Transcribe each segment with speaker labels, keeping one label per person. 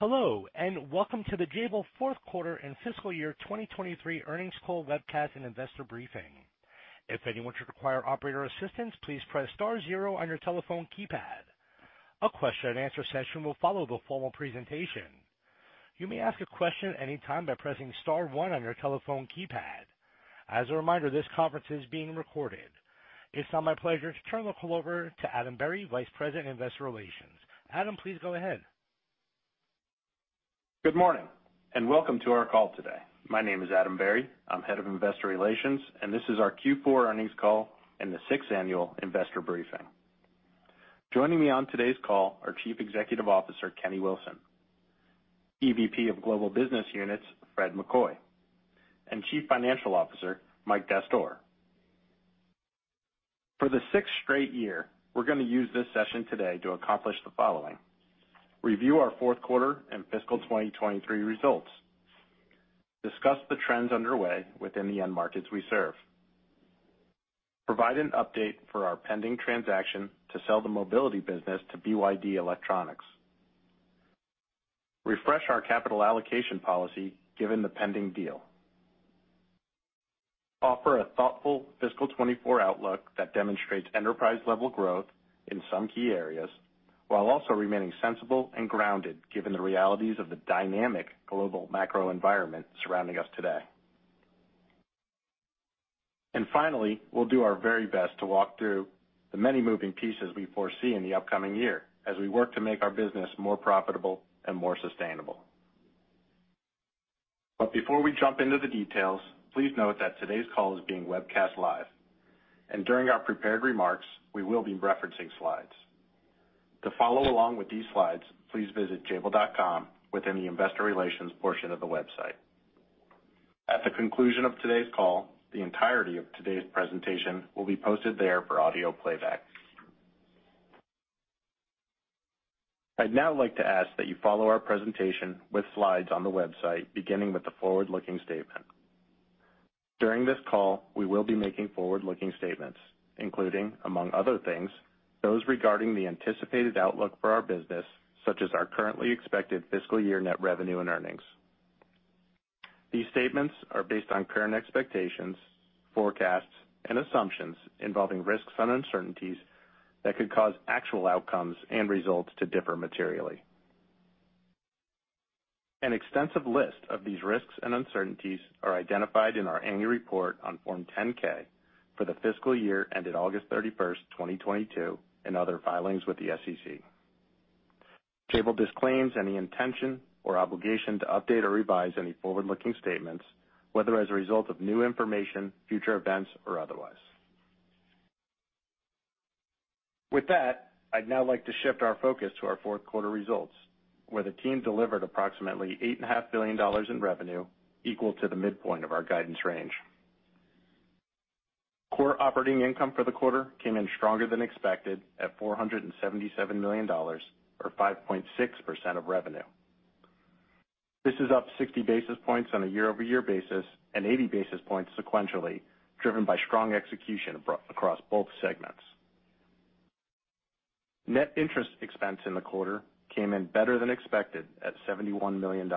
Speaker 1: Hello, and welcome to the Jabil fourth quarter and fiscal year 2023 earnings call webcast and investor briefing. If anyone should require operator assistance, please press star zero on your telephone keypad. A question-and-answer session will follow the formal presentation. You may ask a question at any time by pressing star one on your telephone keypad. As a reminder, this conference is being recorded. It's now my pleasure to turn the call over to Adam Berry, Vice President, Investor Relations. Adam, please go ahead.
Speaker 2: Good morning, and welcome to our call today. My name is Adam Berry, I'm Head of Investor Relations, and this is our Q4 earnings call and the sixth annual investor briefing. Joining me on today's call are Chief Executive Officer Kenny Wilson; EVP of Global Business Units, Fred McCoy; and Chief Financial Officer, Mike Dastoor. For the sixth straight year, we're gonna use this session today to accomplish the following: review our fourth quarter and fiscal 2023 results, discuss the trends underway within the end markets we serve, provide an update for our pending transaction to sell the mobility business to BYD Electronics, refresh our capital allocation policy given the pending deal, offer a thoughtful fiscal 2024 outlook that demonstrates enterprise-level growth in some key areas, while also remaining sensible and grounded, given the realities of the dynamic global macro environment surrounding us today. And finally, we'll do our very best to walk through the many moving pieces we foresee in the upcoming year as we work to make our business more profitable and more sustainable. But before we jump into the details, please note that today's call is being webcast live, and during our prepared remarks, we will be referencing slides. To follow along with these slides, please visit Jabil.com within the Investor Relations portion of the website. At the conclusion of today's call, the entirety of today's presentation will be posted there for audio playback. I'd now like to ask that you follow our presentation with slides on the website, beginning with the forward-looking statement. During this call, we will be making forward-looking statements, including, among other things, those regarding the anticipated outlook for our business, such as our currently expected fiscal year net revenue and earnings. These statements are based on current expectations, forecasts, and assumptions involving risks and uncertainties that could cause actual outcomes and results to differ materially. An extensive list of these risks and uncertainties are identified in our annual report on Form 10-K for the fiscal year ended August 31, 2022, and other filings with the SEC. Jabil disclaims any intention or obligation to update or revise any forward-looking statements, whether as a result of new information, future events, or otherwise. With that, I'd now like to shift our focus to our fourth quarter results, where the team delivered approximately $8.5 billion in revenue, equal to the midpoint of our guidance range. Core operating income for the quarter came in stronger than expected, at $477 million, or 5.6% of revenue. This is up 60 basis points on a year-over-year basis and 80 basis points sequentially, driven by strong execution across both segments. Net interest expense in the quarter came in better than expected at $71 million,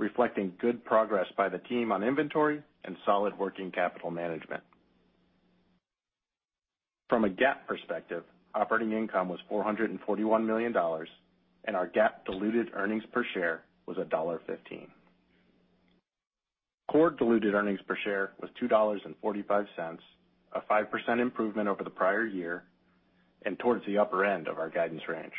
Speaker 2: reflecting good progress by the team on inventory and solid working capital management. From a GAAP perspective, operating income was $441 million, and our GAAP diluted earnings per share was $1.15. Core diluted earnings per share was $2.45, a 5% improvement over the prior year and towards the upper end of our guidance range.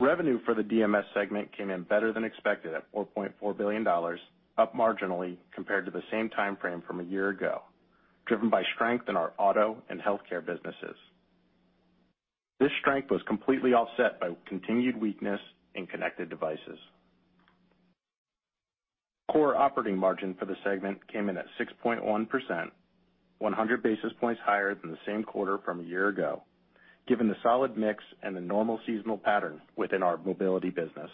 Speaker 2: Revenue for the DMS segment came in better than expected at $4.4 billion, up marginally compared to the same time frame from a year ago, driven by strength in our auto and healthcare businesses. This strength was completely offset by continued weakness in connected devices. Core operating margin for the segment came in at 6.1%, 100 basis points higher than the same quarter from a year ago, given the solid mix and the normal seasonal pattern within our mobility business.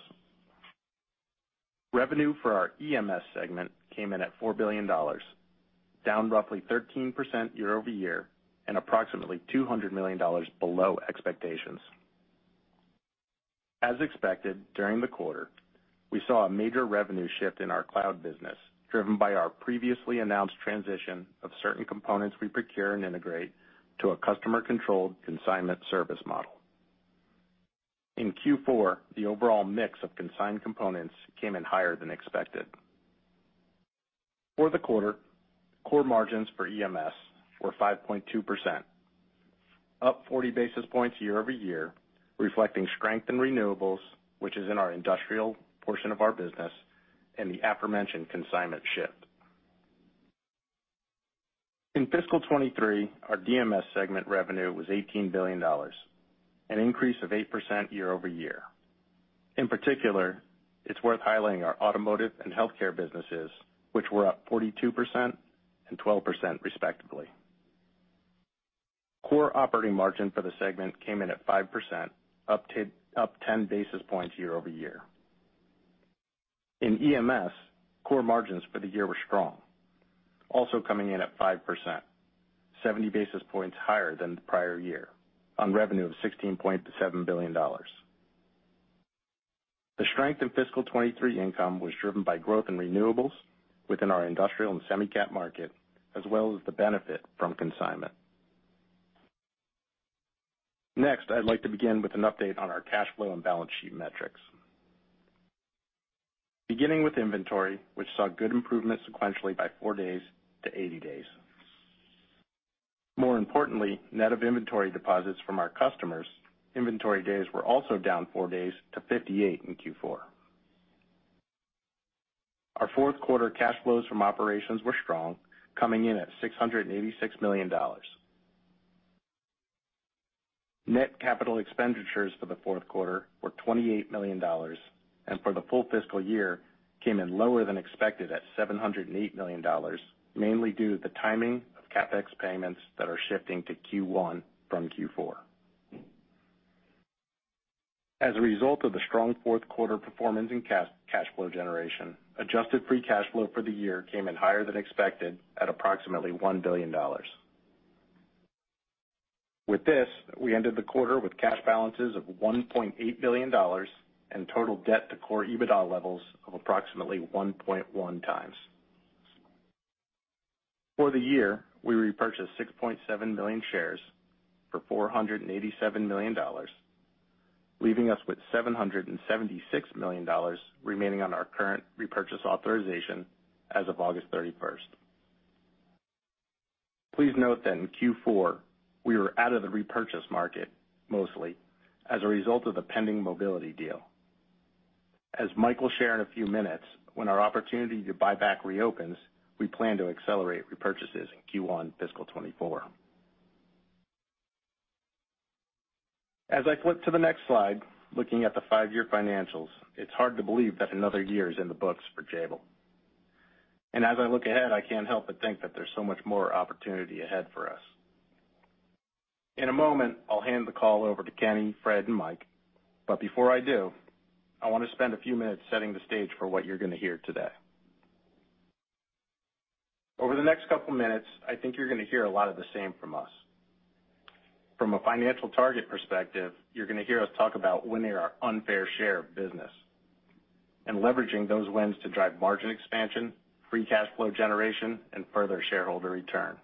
Speaker 2: Revenue for our EMS segment came in at $4 billion, down roughly 13% year-over-year, and approximately $200 million below expectations. As expected, during the quarter, we saw a major revenue shift in our cloud business, driven by our previously announced transition of certain components we procure and integrate to a customer-controlled consignment service model. In Q4, the overall mix of consigned components came in higher than expected. For the quarter, core margins for EMS were 5.2%, up 40 basis points year-over-year, reflecting strength in renewables, which is in our industrial portion of our business, and the aforementioned consignment shift. In fiscal 2023, our DMS segment revenue was $18 billion, an increase of 8% year-over-year. In particular, it's worth highlighting our automotive and healthcare businesses, which were up 42% and 12%, respectively. Core operating margin for the segment came in at 5%, up 10 basis points year-over-year. In EMS, core margins for the year were strong, also coming in at 5%, 70 basis points higher than the prior year, on revenue of $16.7 billion. The strength in fiscal 2023 income was driven by growth in renewables within our industrial and semi-cap market, as well as the benefit from consignment. Next, I'd like to begin with an update on our cash flow and balance sheet metrics. Beginning with inventory, which saw good improvement sequentially by 4 days to 80 days. More importantly, net of inventory deposits from our customers, inventory days were also down 4 days to 58 in Q4. Our fourth quarter cash flows from operations were strong, coming in at $686 million. Net capital expenditures for the fourth quarter were $28 million, and for the full fiscal year, came in lower than expected at $708 million, mainly due to the timing of CapEx payments that are shifting to Q1 from Q4. As a result of the strong fourth quarter performance in cash flow generation, adjusted free cash flow for the year came in higher than expected at approximately $1 billion. With this, we ended the quarter with cash balances of $1.8 billion and total debt to core EBITDA levels of approximately 1.1 times. For the year, we repurchased 6.7 million shares for $487 million, leaving us with $776 million remaining on our current repurchase authorization as of August 31st. Please note that in Q4, we were out of the repurchase market, mostly as a result of the pending mobility deal. As Mike will share in a few minutes, when our opportunity to buy back reopens, we plan to accelerate repurchases in Q1 fiscal 2024. As I flip to the next slide, looking at the five-year financials, it's hard to believe that another year is in the books for Jabil. As I look ahead, I can't help but think that there's so much more opportunity ahead for us. In a moment, I'll hand the call over to Kenny, Fred, and Mike, but before I do, I want to spend a few minutes setting the stage for what you're going to hear today. Over the next couple of minutes, I think you're going to hear a lot of the same from us. From a financial target perspective, you're going to hear us talk about winning our unfair share of business and leveraging those wins to drive margin expansion, free cash flow generation, and further shareholder return.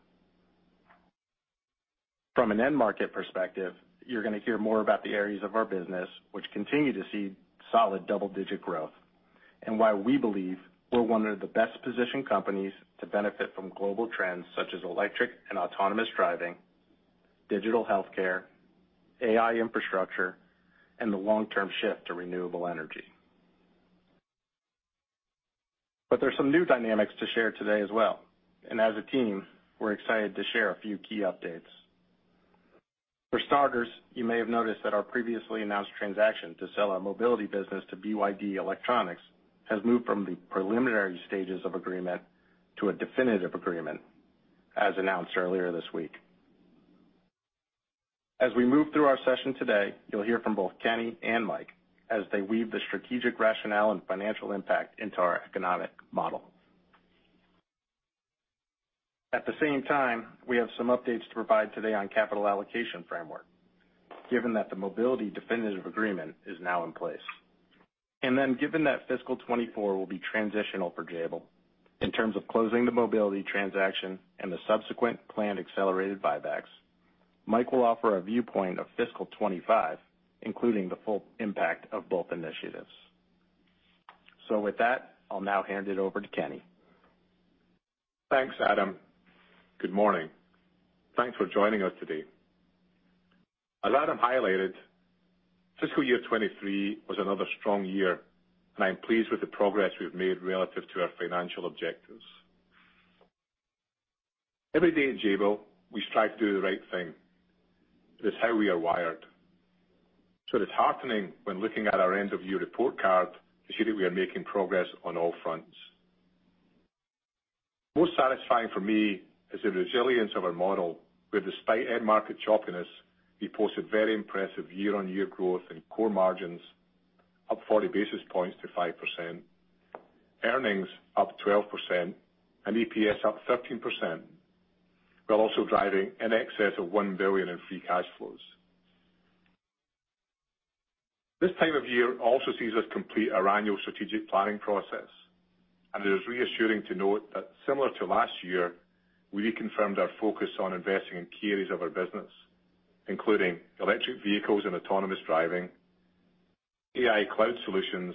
Speaker 2: From an end market perspective, you're going to hear more about the areas of our business, which continue to see solid double-digit growth, and why we believe we're one of the best-positioned companies to benefit from global trends such as electric and autonomous driving, digital healthcare, AI infrastructure, and the long-term shift to renewable energy. There's some new dynamics to share today as well, and as a team, we're excited to share a few key updates. For starters, you may have noticed that our previously announced transaction to sell our mobility business to BYD Electronics has moved from the preliminary stages of agreement to a definitive agreement, as announced earlier this week. As we move through our session today, you'll hear from both Kenny and Mike as they weave the strategic rationale and financial impact into our economic model. At the same time, we have some updates to provide today on capital allocation framework, given that the mobility definitive agreement is now in place. Then, given that fiscal 2024 will be transitional for Jabil in terms of closing the mobility transaction and the subsequent planned accelerated buybacks, Mike will offer a viewpoint of fiscal 2025, including the full impact of both initiatives. So with that, I'll now hand it over to Kenny.
Speaker 3: Thanks, Adam. Good morning. Thanks for joining us today. As Adam highlighted, fiscal year 2023 was another strong year, and I'm pleased with the progress we've made relative to our financial objectives. Every day at Jabil, we strive to do the right thing. It is how we are wired. So it is heartening when looking at our end-of-year report card to see that we are making progress on all fronts. Most satisfying for me is the resilience of our model, where despite end market choppiness, we posted very impressive year-on-year growth in core margins, up 40 basis points to 5%, earnings up 12%, and EPS up 13%, while also driving in excess of $1 billion in free cash flows. This time of year also sees us complete our annual strategic planning process, and it is reassuring to note that similar to last year, we reconfirmed our focus on investing in key areas of our business, including electric vehicles and autonomous driving, AI cloud solutions,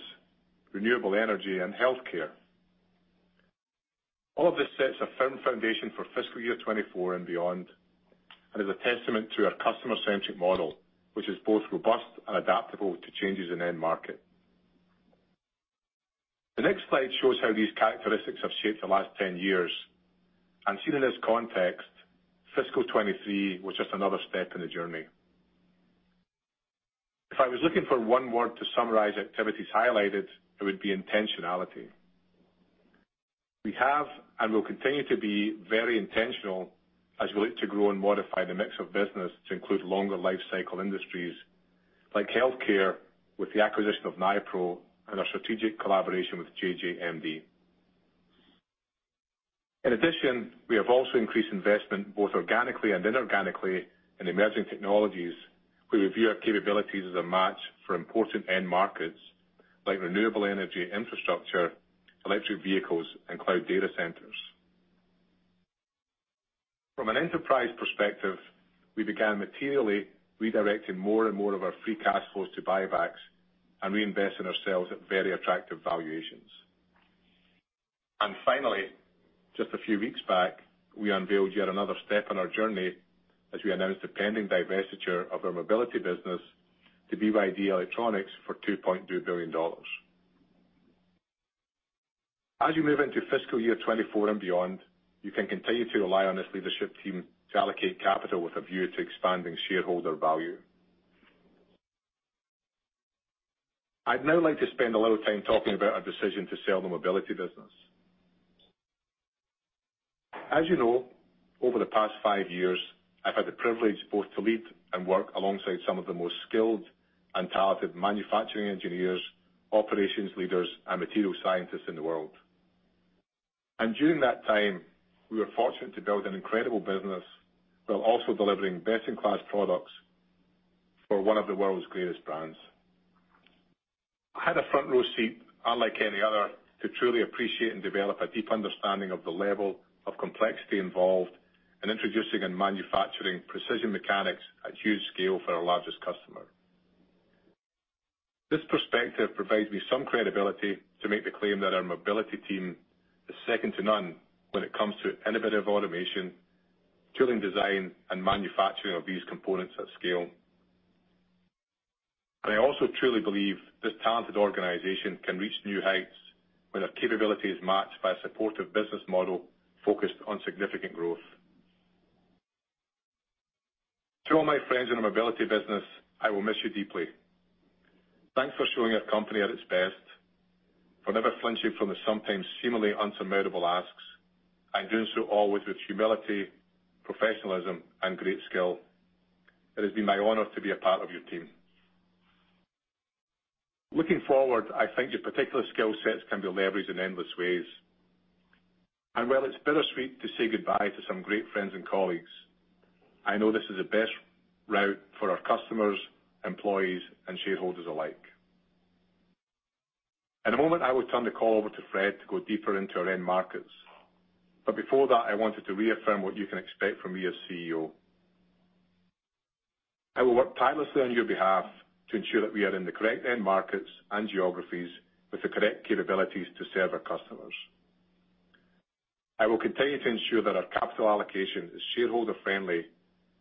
Speaker 3: renewable energy, and healthcare. All of this sets a firm foundation for fiscal year 2024 and beyond, and is a testament to our customer-centric model, which is both robust and adaptable to changes in end market. The next slide shows how these characteristics have shaped the last 10 years, and seen in this context, fiscal 2023 was just another step in the journey. If I was looking for one word to summarize activities highlighted, it would be intentionality.... We have and will continue to be very intentional as we look to grow and modify the mix of business to include longer life cycle industries, like healthcare, with the acquisition of Nipro and our strategic collaboration with JJMD. In addition, we have also increased investment, both organically and inorganically, in emerging technologies, where we view our capabilities as a match for important end markets, like renewable energy infrastructure, electric vehicles, and cloud data centers. From an enterprise perspective, we began materially redirecting more and more of our free cash flows to buybacks and reinvest in ourselves at very attractive valuations. And finally, just a few weeks back, we unveiled yet another step on our journey as we announced the pending divestiture of our mobility business to BYD Electronics for $2.2 billion. As you move into fiscal year 2024 and beyond, you can continue to rely on this leadership team to allocate capital with a view to expanding shareholder value. I'd now like to spend a little time talking about our decision to sell the mobility business. As you know, over the past 5 years, I've had the privilege both to lead and work alongside some of the most skilled and talented manufacturing engineers, operations leaders, and material scientists in the world. And during that time, we were fortunate to build an incredible business while also delivering best-in-class products for one of the world's greatest brands. I had a front-row seat, unlike any other, to truly appreciate and develop a deep understanding of the level of complexity involved in introducing and manufacturing precision mechanics at huge scale for our largest customer. This perspective provides me some credibility to make the claim that our mobility team is second to none when it comes to innovative automation, tooling, design, and manufacturing of these components at scale. I also truly believe this talented organization can reach new heights when their capability is matched by a supportive business model focused on significant growth. To all my friends in the mobility business, I will miss you deeply. Thanks for showing our company at its best, for never flinching from the sometimes seemingly unsurmountable asks, and doing so always with humility, professionalism, and great skill. It has been my honor to be a part of your team. Looking forward, I think your particular skill sets can be leveraged in endless ways. While it's bittersweet to say goodbye to some great friends and colleagues, I know this is the best route for our customers, employees, and shareholders alike. At the moment, I will turn the call over to Fred to go deeper into our end markets. But before that, I wanted to reaffirm what you can expect from me as CEO. I will work tirelessly on your behalf to ensure that we are in the correct end markets and geographies with the correct capabilities to serve our customers. I will continue to ensure that our capital allocation is shareholder-friendly,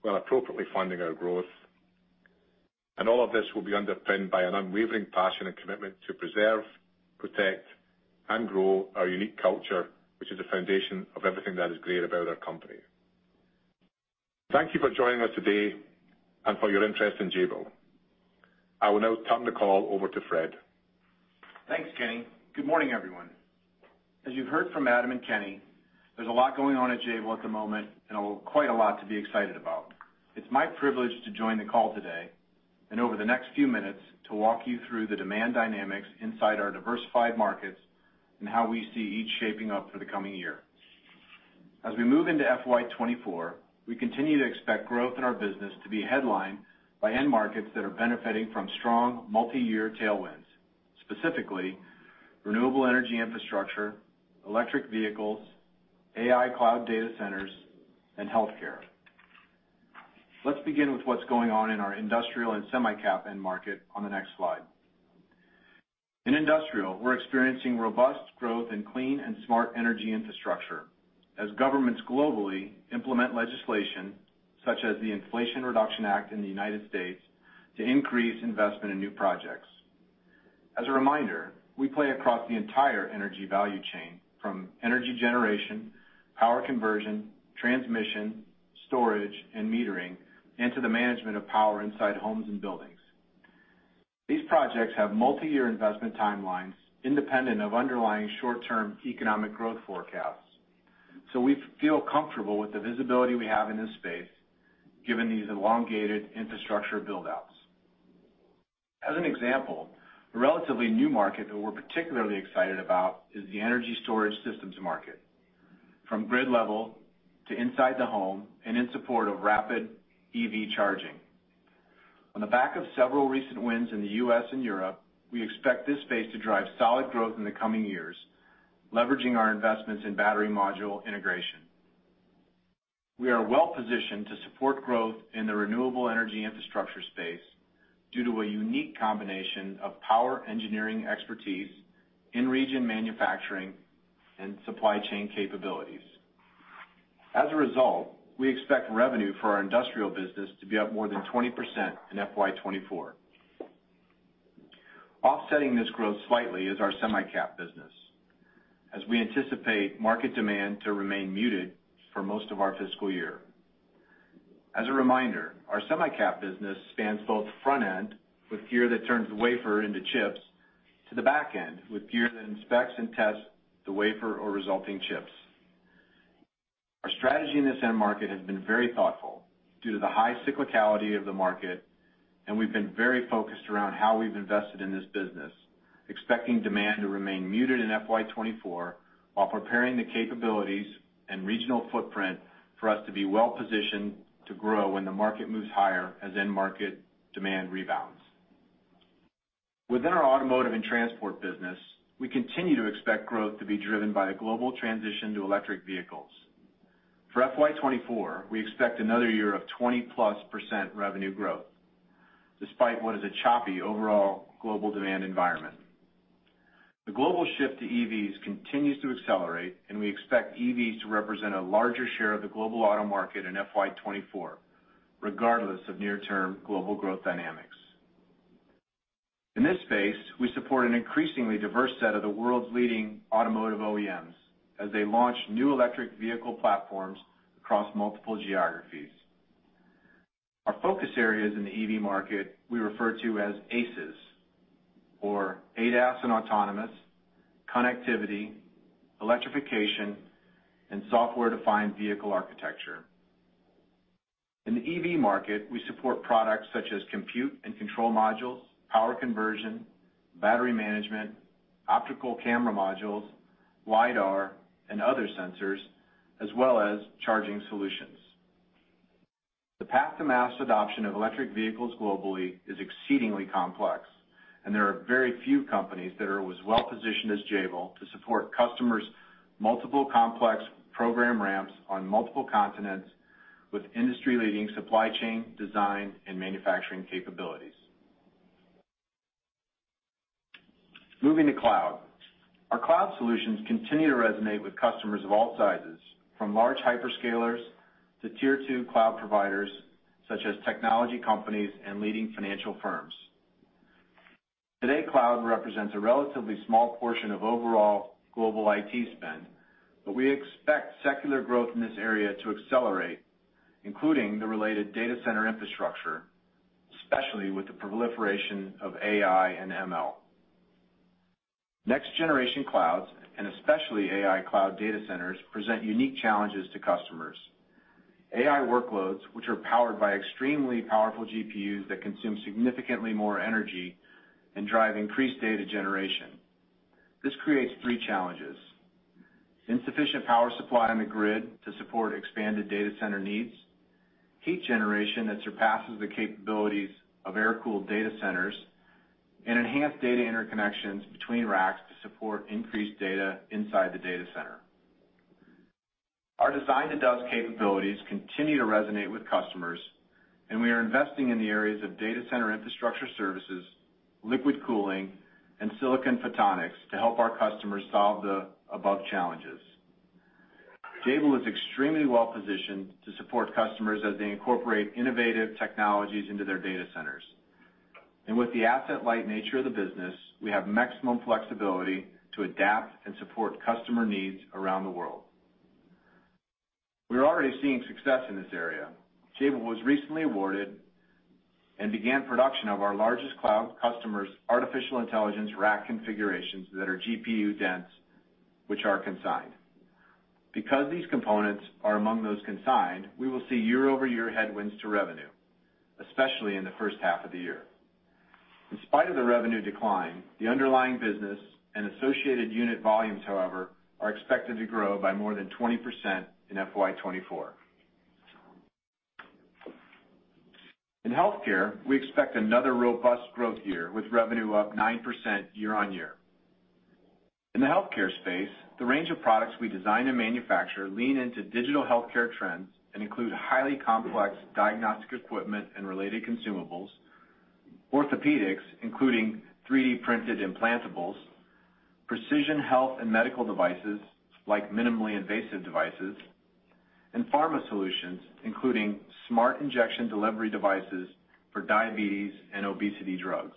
Speaker 3: while appropriately funding our growth. And all of this will be underpinned by an unwavering passion and commitment to preserve, protect, and grow our unique culture, which is the foundation of everything that is great about our company. Thank you for joining us today and for your interest in Jabil. I will now turn the call over to Fred.
Speaker 4: Thanks, Kenny. Good morning, everyone. As you've heard from Adam and Kenny, there's a lot going on at Jabil at the moment and quite a lot to be excited about. It's my privilege to join the call today, and over the next few minutes, to walk you through the demand dynamics inside our diversified markets and how we see each shaping up for the coming year. As we move into FY 24, we continue to expect growth in our business to be headlined by end markets that are benefiting from strong multi-year tailwinds, specifically renewable energy infrastructure, electric vehicles, AI cloud data centers, and healthcare. Let's begin with what's going on in our industrial and semi-cap end market on the next slide. In industrial, we're experiencing robust growth in clean and smart energy infrastructure as governments globally implement legislation, such as the Inflation Reduction Act in the United States, to increase investment in new projects. As a reminder, we play across the entire energy value chain, from energy generation, power conversion, transmission, storage, and metering, and to the management of power inside homes and buildings. These projects have multi-year investment timelines independent of underlying short-term economic growth forecasts, so we feel comfortable with the visibility we have in this space, given these elongated infrastructure build-outs. As an example, a relatively new market that we're particularly excited about is the energy storage systems market, from grid level to inside the home and in support of rapid EV charging. On the back of several recent wins in the U.S. and Europe, we expect this space to drive solid growth in the coming years, leveraging our investments in battery module integration. We are well positioned to support growth in the renewable energy infrastructure space due to a unique combination of power engineering expertise, in-region manufacturing, and supply chain capabilities. As a result, we expect revenue for our industrial business to be up more than 20% in FY 2024. Offsetting this growth slightly is our semi-cap business, as we anticipate market demand to remain muted for most of our fiscal year. As a reminder, our semi-cap business spans both front end, with gear that turns the wafer into chips, to the back end, with gear that inspects and tests the wafer or resulting chips. Our strategy in this end market has been very thoughtful due to the high cyclicality of the market, and we've been very focused around how we've invested in this business, expecting demand to remain muted in FY 2024, while preparing the capabilities and regional footprint for us to be well-positioned to grow when the market moves higher as end market demand rebounds. Within our automotive and transport business, we continue to expect growth to be driven by a global transition to electric vehicles. For FY 2024, we expect another year of 20+% revenue growth, despite what is a choppy overall global demand environment. The global shift to EVs continues to accelerate, and we expect EVs to represent a larger share of the global auto market in FY 2024, regardless of near-term global growth dynamics. In this space, we support an increasingly diverse set of the world's leading automotive OEMs as they launch new electric vehicle platforms across multiple geographies. Our focus areas in the EV market we refer to as ACES, or ADAS and autonomous, connectivity, electrification, and software-defined vehicle architecture. In the EV market, we support products such as compute and control modules, power conversion, battery management, optical camera modules, LIDAR, and other sensors, as well as charging solutions. The path to mass adoption of electric vehicles globally is exceedingly complex, and there are very few companies that are as well-positioned as Jabil to support customers' multiple complex program ramps on multiple continents with industry-leading supply chain, design, and manufacturing capabilities. Moving to cloud. Our cloud solutions continue to resonate with customers of all sizes, from large hyperscalers to tier two cloud providers, such as technology companies and leading financial firms. Today, cloud represents a relatively small portion of overall global IT spend, but we expect secular growth in this area to accelerate, including the related data center infrastructure, especially with the proliferation of AI and ML. Next generation clouds, and especially AI cloud data centers, present unique challenges to customers. AI workloads, which are powered by extremely powerful GPUs that consume significantly more energy and drive increased data generation. This creates three challenges: insufficient power supply on the grid to support expanded data center needs, heat generation that surpasses the capabilities of air-cooled data centers, and enhanced data interconnections between racks to support increased data inside the data center. Our design-to-dust capabilities continue to resonate with customers, and we are investing in the areas of data center infrastructure services, liquid cooling, and silicon photonics to help our customers solve the above challenges. Jabil is extremely well-positioned to support customers as they incorporate innovative technologies into their data centers. With the asset-light nature of the business, we have maximum flexibility to adapt and support customer needs around the world. We're already seeing success in this area. Jabil was recently awarded and began production of our largest cloud customer's artificial intelligence rack configurations that are GPU dense, which are consigned. Because these components are among those consigned, we will see year-over-year headwinds to revenue, especially in the first half of the year. In spite of the revenue decline, the underlying business and associated unit volumes, however, are expected to grow by more than 20% in FY 2024. In healthcare, we expect another robust growth year, with revenue up 9% year-over-year. In the healthcare space, the range of products we design and manufacture lean into digital healthcare trends and include highly complex diagnostic equipment and related consumables, orthopedics, including 3D printed implantables, precision health and medical devices, like minimally invasive devices, and pharma solutions, including smart injection delivery devices for diabetes and obesity drugs.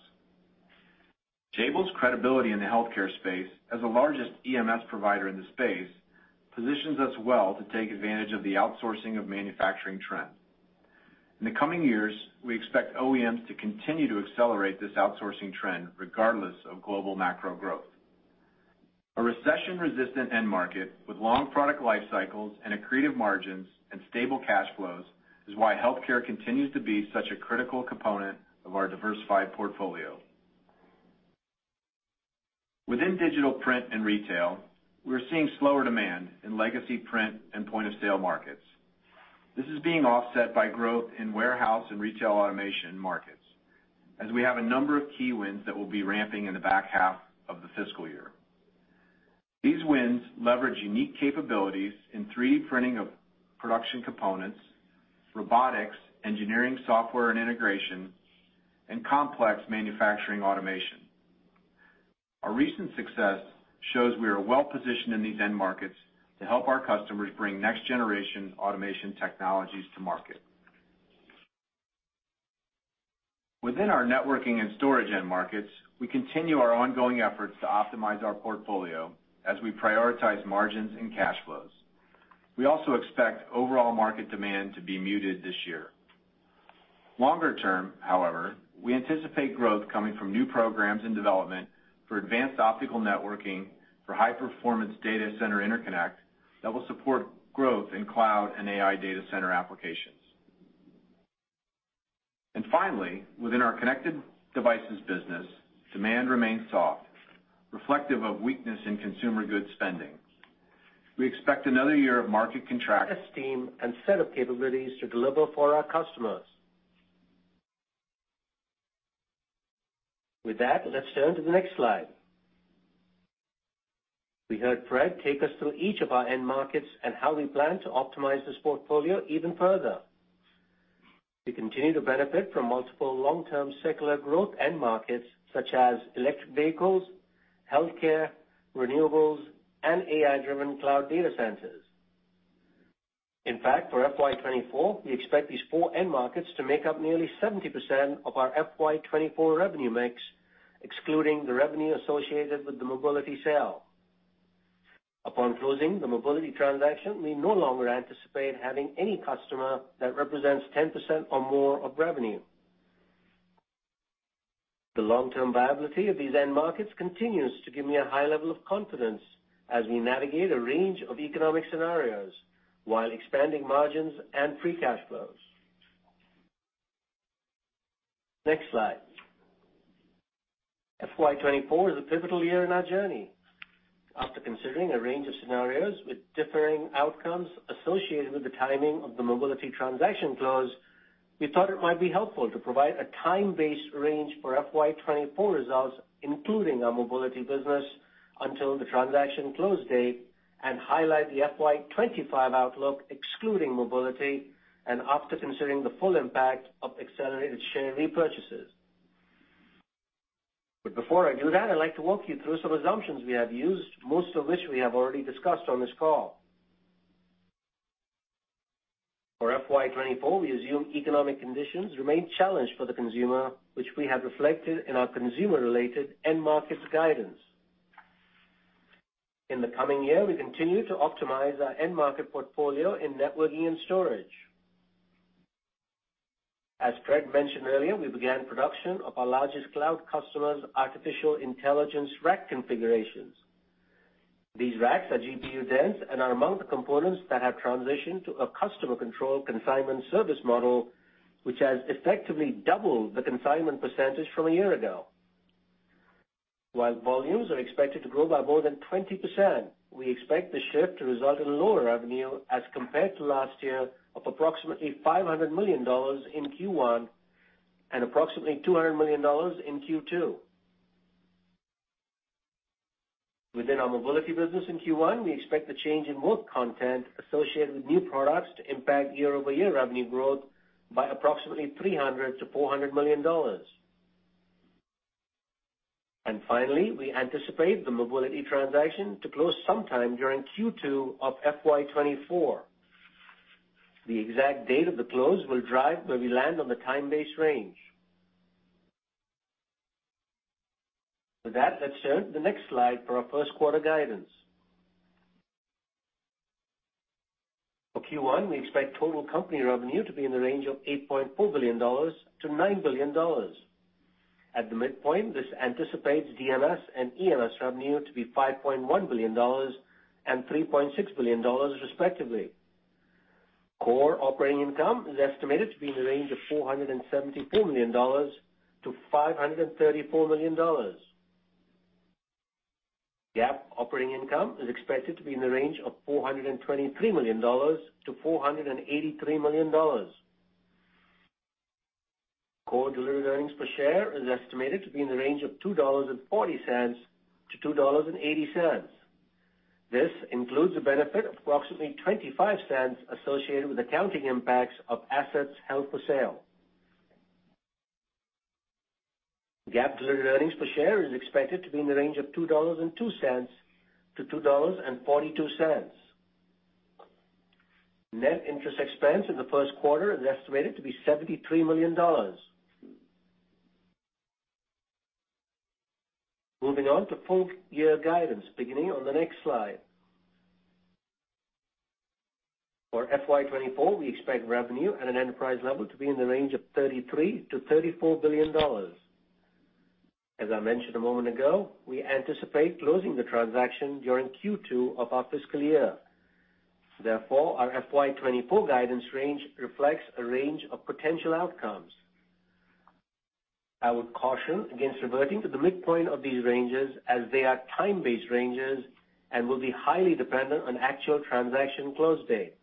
Speaker 4: Jabil's credibility in the healthcare space as the largest EMS provider in the space, positions us well to take advantage of the outsourcing of manufacturing trend. In the coming years, we expect OEMs to continue to accelerate this outsourcing trend regardless of global macro growth. A recession-resistant end market with long product life cycles and accretive margins and stable cash flows is why healthcare continues to be such a critical component of our diversified portfolio. Within digital print and retail, we're seeing slower demand in legacy print and point-of-sale markets. This is being offset by growth in warehouse and retail automation markets, as we have a number of key wins that will be ramping in the back half of the fiscal year. These wins leverage unique capabilities in 3D printing of production components, robotics, engineering, software and integration, and complex manufacturing automation. Our recent success shows we are well-positioned in these end markets to help our customers bring next-generation automation technologies to market. Within our networking and storage end markets, we continue our ongoing efforts to optimize our portfolio as we prioritize margins and cash flows. We also expect overall market demand to be muted this year. Longer term, however, we anticipate growth coming from new programs in development for advanced optical networking, for high-performance data center interconnect that will support growth in cloud and AI data center applications. And finally, within our connected devices business, demand remains soft, reflective of weakness in consumer goods spending. We expect another year of market contraction.
Speaker 5: Team, and set of capabilities to deliver for our customers. With that, let's turn to the next slide. We heard Fred take us through each of our end markets and how we plan to optimize this portfolio even further. We continue to benefit from multiple long-term secular growth end markets, such as electric vehicles, healthcare, renewables, and AI-driven cloud data centers. In fact, for FY 2024, we expect these four end markets to make up nearly 70% of our FY 2024 revenue mix, excluding the revenue associated with the mobility sale. Upon closing the mobility transaction, we no longer anticipate having any customer that represents 10% or more of revenue. The long-term viability of these end markets continues to give me a high level of confidence as we navigate a range of economic scenarios while expanding margins and free cash flows. Next slide. FY 2024 is a pivotal year in our journey. After considering a range of scenarios with differing outcomes associated with the timing of the mobility transaction close, we thought it might be helpful to provide a time-based range for FY 2024 results, including our mobility business, until the transaction close date, and highlight the FY 2025 outlook, excluding mobility, and after considering the full impact of accelerated share repurchases. But before I do that, I'd like to walk you through some assumptions we have used, most of which we have already discussed on this call. For FY 2024, we assume economic conditions remain challenged for the consumer, which we have reflected in our consumer-related end markets guidance. In the coming year, we continue to optimize our end market portfolio in networking and storage. As Fred mentioned earlier, we began production of our largest cloud customer's artificial intelligence rack configurations. These racks are GPU dense and are among the components that have transitioned to a customer-controlled consignment service model, which has effectively doubled the consignment percentage from a year ago. While volumes are expected to grow by more than 20%, we expect the shift to result in lower revenue as compared to last year of approximately $500 million in Q1 and approximately $200 million in Q2. Within our mobility business in Q1, we expect the change in work content associated with new products to impact year-over-year revenue growth by approximately $300 million-$400 million. And finally, we anticipate the mobility transaction to close sometime during Q2 of FY 2024. The exact date of the close will drive where we land on the time-based range. With that, let's turn to the next slide for our first quarter guidance. For Q1, we expect total company revenue to be in the range of $8.4 billion-$9 billion. At the midpoint, this anticipates DMS and EMS revenue to be $5.1 billion and $3.6 billion, respectively. Core operating income is estimated to be in the range of $474 million-$534 million. GAAP operating income is expected to be in the range of $423 million-$483 million. Core diluted earnings per share is estimated to be in the range of $2.40-$2.80. This includes a benefit of approximately 25 cents associated with accounting impacts of assets held for sale. GAAP diluted earnings per share is expected to be in the range of $2.02-$2.42. Net interest expense in the first quarter is estimated to be $73 million. Moving on to full year guidance, beginning on the next slide. For FY 2024, we expect revenue at an enterprise level to be in the range of $33 billion-$34 billion. As I mentioned a moment ago, we anticipate closing the transaction during Q2 of our fiscal year. Therefore, our FY 2024 guidance range reflects a range of potential outcomes. I would caution against reverting to the midpoint of these ranges as they are time-based ranges and will be highly dependent on actual transaction close date.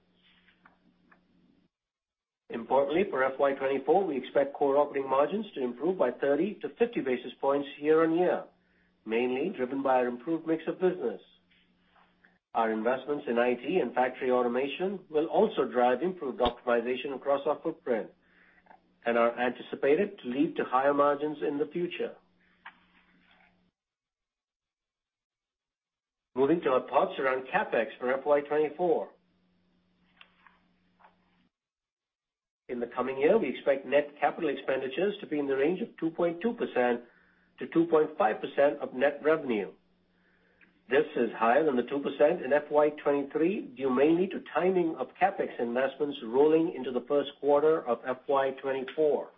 Speaker 5: Importantly, for FY 2024, we expect core operating margins to improve by 30-50 basis points year-on-year, mainly driven by our improved mix of business. Our investments in IT and factory automation will also drive improved optimization across our footprint and are anticipated to lead to higher margins in the future.... Moving to our thoughts around CapEx for FY 2024. In the coming year, we expect net capital expenditures to be in the range of 2.2%-2.5% of net revenue. This is higher than the 2% in FY 2023, due mainly to timing of CapEx investments rolling into the first quarter of FY 2024.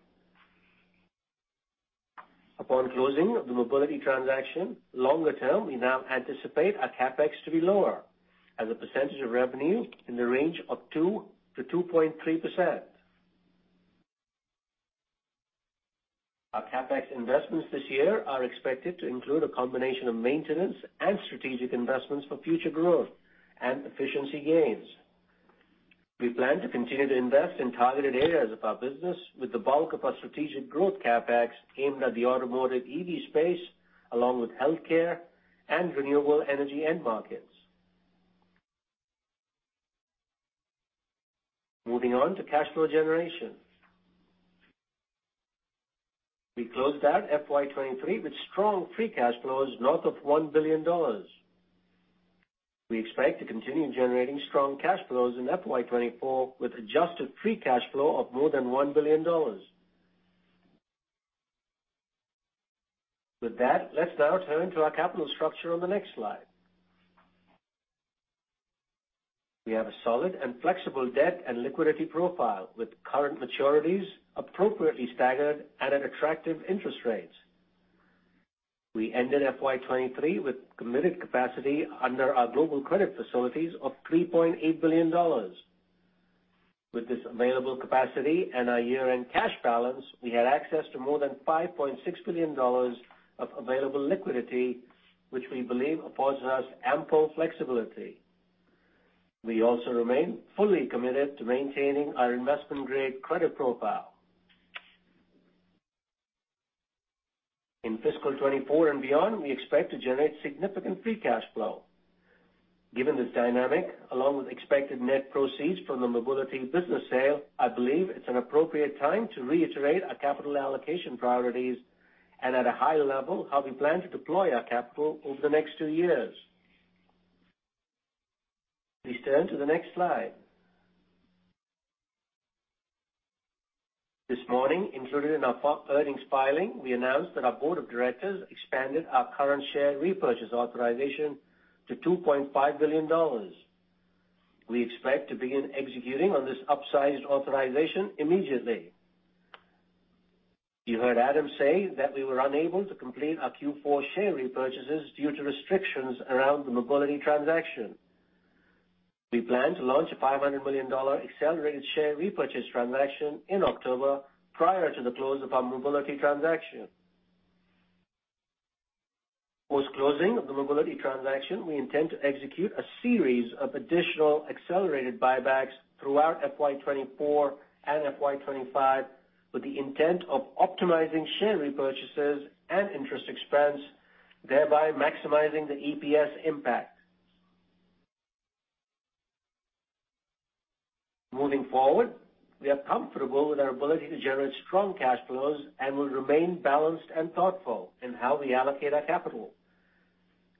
Speaker 5: Upon closing of the mobility transaction, longer term, we now anticipate our CapEx to be lower as a percentage of revenue in the range of 2%-2.3%. Our CapEx investments this year are expected to include a combination of maintenance and strategic investments for future growth and efficiency gains. We plan to continue to invest in targeted areas of our business, with the bulk of our strategic growth CapEx aimed at the automotive EV space, along with healthcare and renewable energy end markets. Moving on to cash flow generation. We closed out FY 2023 with strong free cash flows, north of $1 billion. We expect to continue generating strong cash flows in FY 2024, with adjusted free cash flow of more than $1 billion. With that, let's now turn to our capital structure on the next slide. We have a solid and flexible debt and liquidity profile, with current maturities appropriately staggered at an attractive interest rates. We ended FY 2023 with committed capacity under our global credit facilities of $3.8 billion. With this available capacity and our year-end cash balance, we had access to more than $5.6 billion of available liquidity, which we believe affords us ample flexibility. We also remain fully committed to maintaining our investment-grade credit profile. In fiscal 2024 and beyond, we expect to generate significant free cash flow. Given this dynamic, along with expected net proceeds from the mobility business sale, I believe it's an appropriate time to reiterate our capital allocation priorities and, at a high level, how we plan to deploy our capital over the next two years. Please turn to the next slide. This morning, included in our earnings filing, we announced that our board of directors expanded our current share repurchase authorization to $2.5 billion. We expect to begin executing on this upsized authorization immediately. You heard Adam say that we were unable to complete our Q4 share repurchases due to restrictions around the mobility transaction. We plan to launch a $500 million accelerated share repurchase transaction in October, prior to the close of our mobility transaction. Post-closing of the mobility transaction, we intend to execute a series of additional accelerated buybacks throughout FY 2024 and FY 2025, with the intent of optimizing share repurchases and interest expense, thereby maximizing the EPS impact. Moving forward, we are comfortable with our ability to generate strong cash flows and will remain balanced and thoughtful in how we allocate our capital.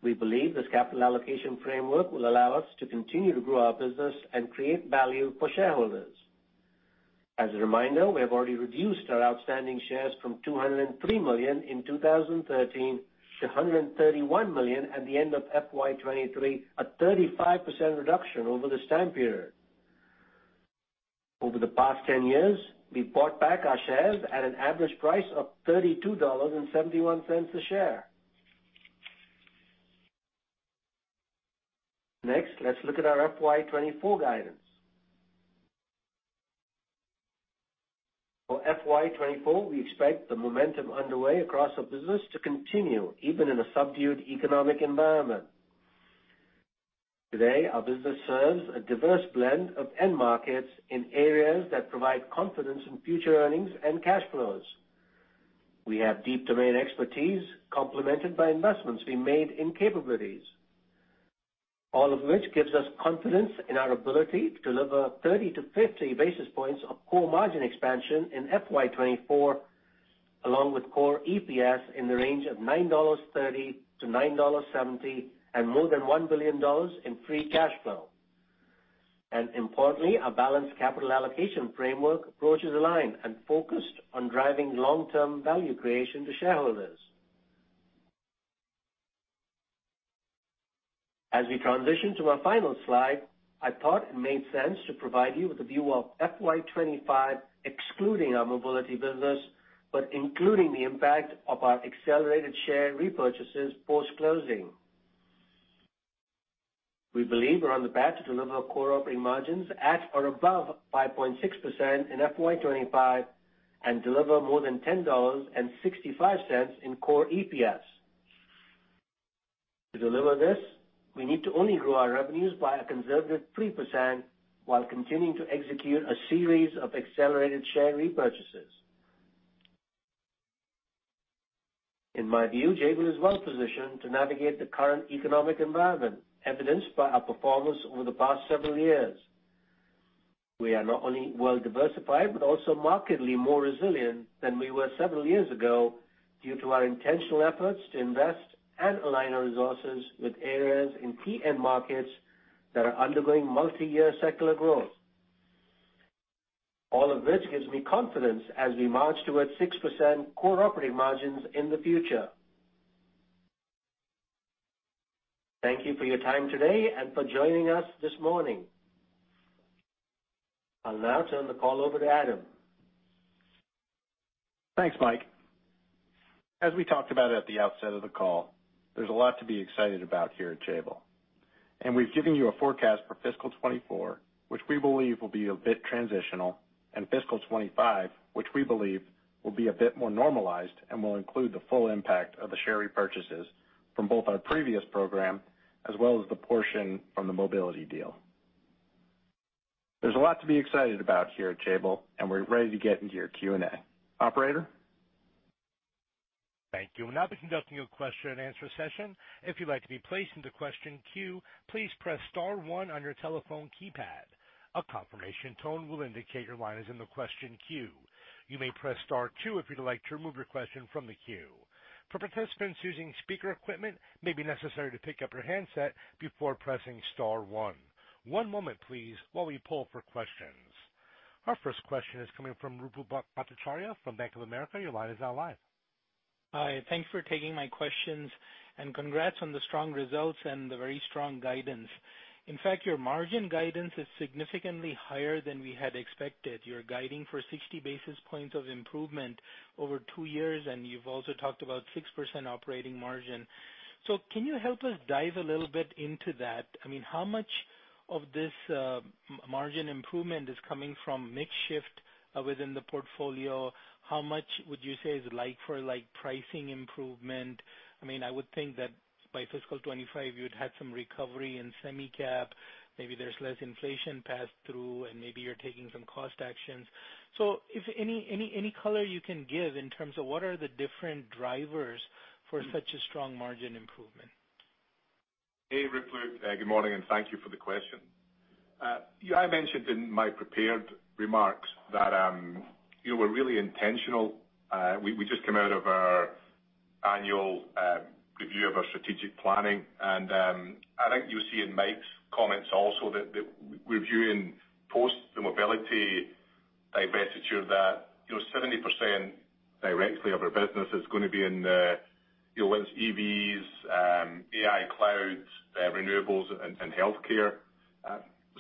Speaker 5: We believe this capital allocation framework will allow us to continue to grow our business and create value for shareholders. As a reminder, we have already reduced our outstanding shares from 203 million in 2013 to 131 million at the end of FY 2023, a 35% reduction over this time period. Over the past 10 years, we bought back our shares at an average price of $32.71 a share. Next, let's look at our FY 2024 guidance. For FY 2024, we expect the momentum underway across our business to continue, even in a subdued economic environment. Today, our business serves a diverse blend of end markets in areas that provide confidence in future earnings and cash flows. We have deep domain expertise, complemented by investments we made in capabilities, all of which gives us confidence in our ability to deliver 30-50 basis points of core margin expansion in FY 2024, along with core EPS in the range of $9.30-$9.70, and more than $1 billion in free cash flow. Importantly, our balanced capital allocation framework approaches aligned and focused on driving long-term value creation to shareholders. As we transition to our final slide, I thought it made sense to provide you with a view of FY 2025, excluding our mobility business, but including the impact of our accelerated share repurchases post-closing. We believe we're on the path to deliver core operating margins at or above 5.6% in FY 2025 and deliver more than $10.65 in core EPS. To deliver this, we need to only grow our revenues by a conservative 3% while continuing to execute a series of accelerated share repurchases. In my view, Jabil is well positioned to navigate the current economic environment, evidenced by our performance over the past several years. We are not only well diversified, but also markedly more resilient than we were several years ago, due to our intentional efforts to invest and align our resources with areas in key end markets that are undergoing multi-year secular growth. All of which gives me confidence as we march towards 6% core operating margins in the future. Thank you for your time today and for joining us this morning. I'll now turn the call over to Adam.
Speaker 2: Thanks, Mike. As we talked about at the outset of the call, there's a lot to be excited about here at Jabil, and we've given you a forecast for fiscal 2024, which we believe will be a bit transitional, and fiscal 2025, which we believe will be a bit more normalized and will include the full impact of the share repurchases from both our previous program as well as the portion from the mobility deal. There's a lot to be excited about here at Jabil, and we're ready to get into your Q&A. Operator?
Speaker 1: Thank you. We'll now be conducting a question-and-answer session. If you'd like to be placed into question queue, please press star one on your telephone keypad. A confirmation tone will indicate your line is in the question queue. You may press star two if you'd like to remove your question from the queue. For participants using speaker equipment, it may be necessary to pick up your handset before pressing star one. One moment, please, while we pull for questions. Our first question is coming from Ruplu Bhattacharya from Bank of America. Your line is now live.
Speaker 6: Hi, thanks for taking my questions, and congrats on the strong results and the very strong guidance. In fact, your margin guidance is significantly higher than we had expected. You're guiding for 60 basis points of improvement over two years, and you've also talked about 6% operating margin. So can you help us dive a little bit into that? I mean, how much of this margin improvement is coming from mix shift within the portfolio? How much would you say is like for like pricing improvement? I mean, I would think that by fiscal 2025, you'd had some recovery in semi-cap, maybe there's less inflation pass-through, and maybe you're taking some cost actions. So if any color you can give in terms of what are the different drivers for such a strong margin improvement?
Speaker 3: Hey, Ruplu. Good morning, and thank you for the question. Yeah, I mentioned in my prepared remarks that we're really intentional. We just came out of our annual review of our strategic planning, and I think you'll see in Mike's comments also that we're viewing post the mobility divestiture that, you know, 70% directly of our business is going to be in, you know, whether it's EVs, AI, cloud, renewables and healthcare.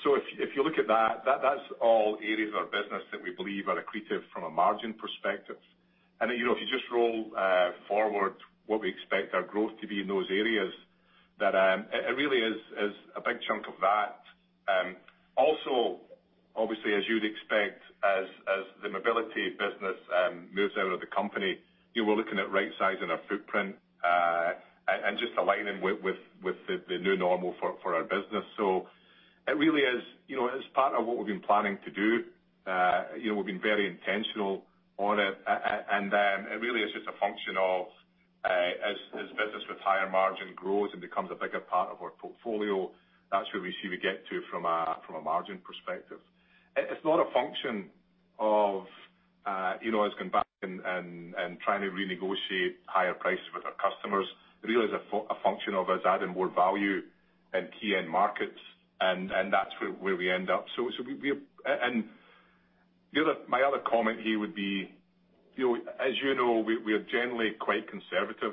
Speaker 3: So if you look at that, that's all areas of our business that we believe are accretive from a margin perspective. And, you know, if you just roll forward what we expect our growth to be in those areas, that it really is a big chunk of that. Also, obviously, as you'd expect, as the mobility business moves out of the company, you were looking at rightsizing our footprint, and just aligning with the new normal for our business. So it really is, you know, it's part of what we've been planning to do. You know, we've been very intentional on it, and it really is just a function of, as business with higher margin grows and becomes a bigger part of our portfolio, that's where we see we get to from a margin perspective. It's not a function of, you know, us going back and trying to renegotiate higher prices with our customers. It really is a function of us adding more value in key end markets, and that's where we end up. So we... And the other, my other comment here would be, you know, as you know, we are generally quite conservative.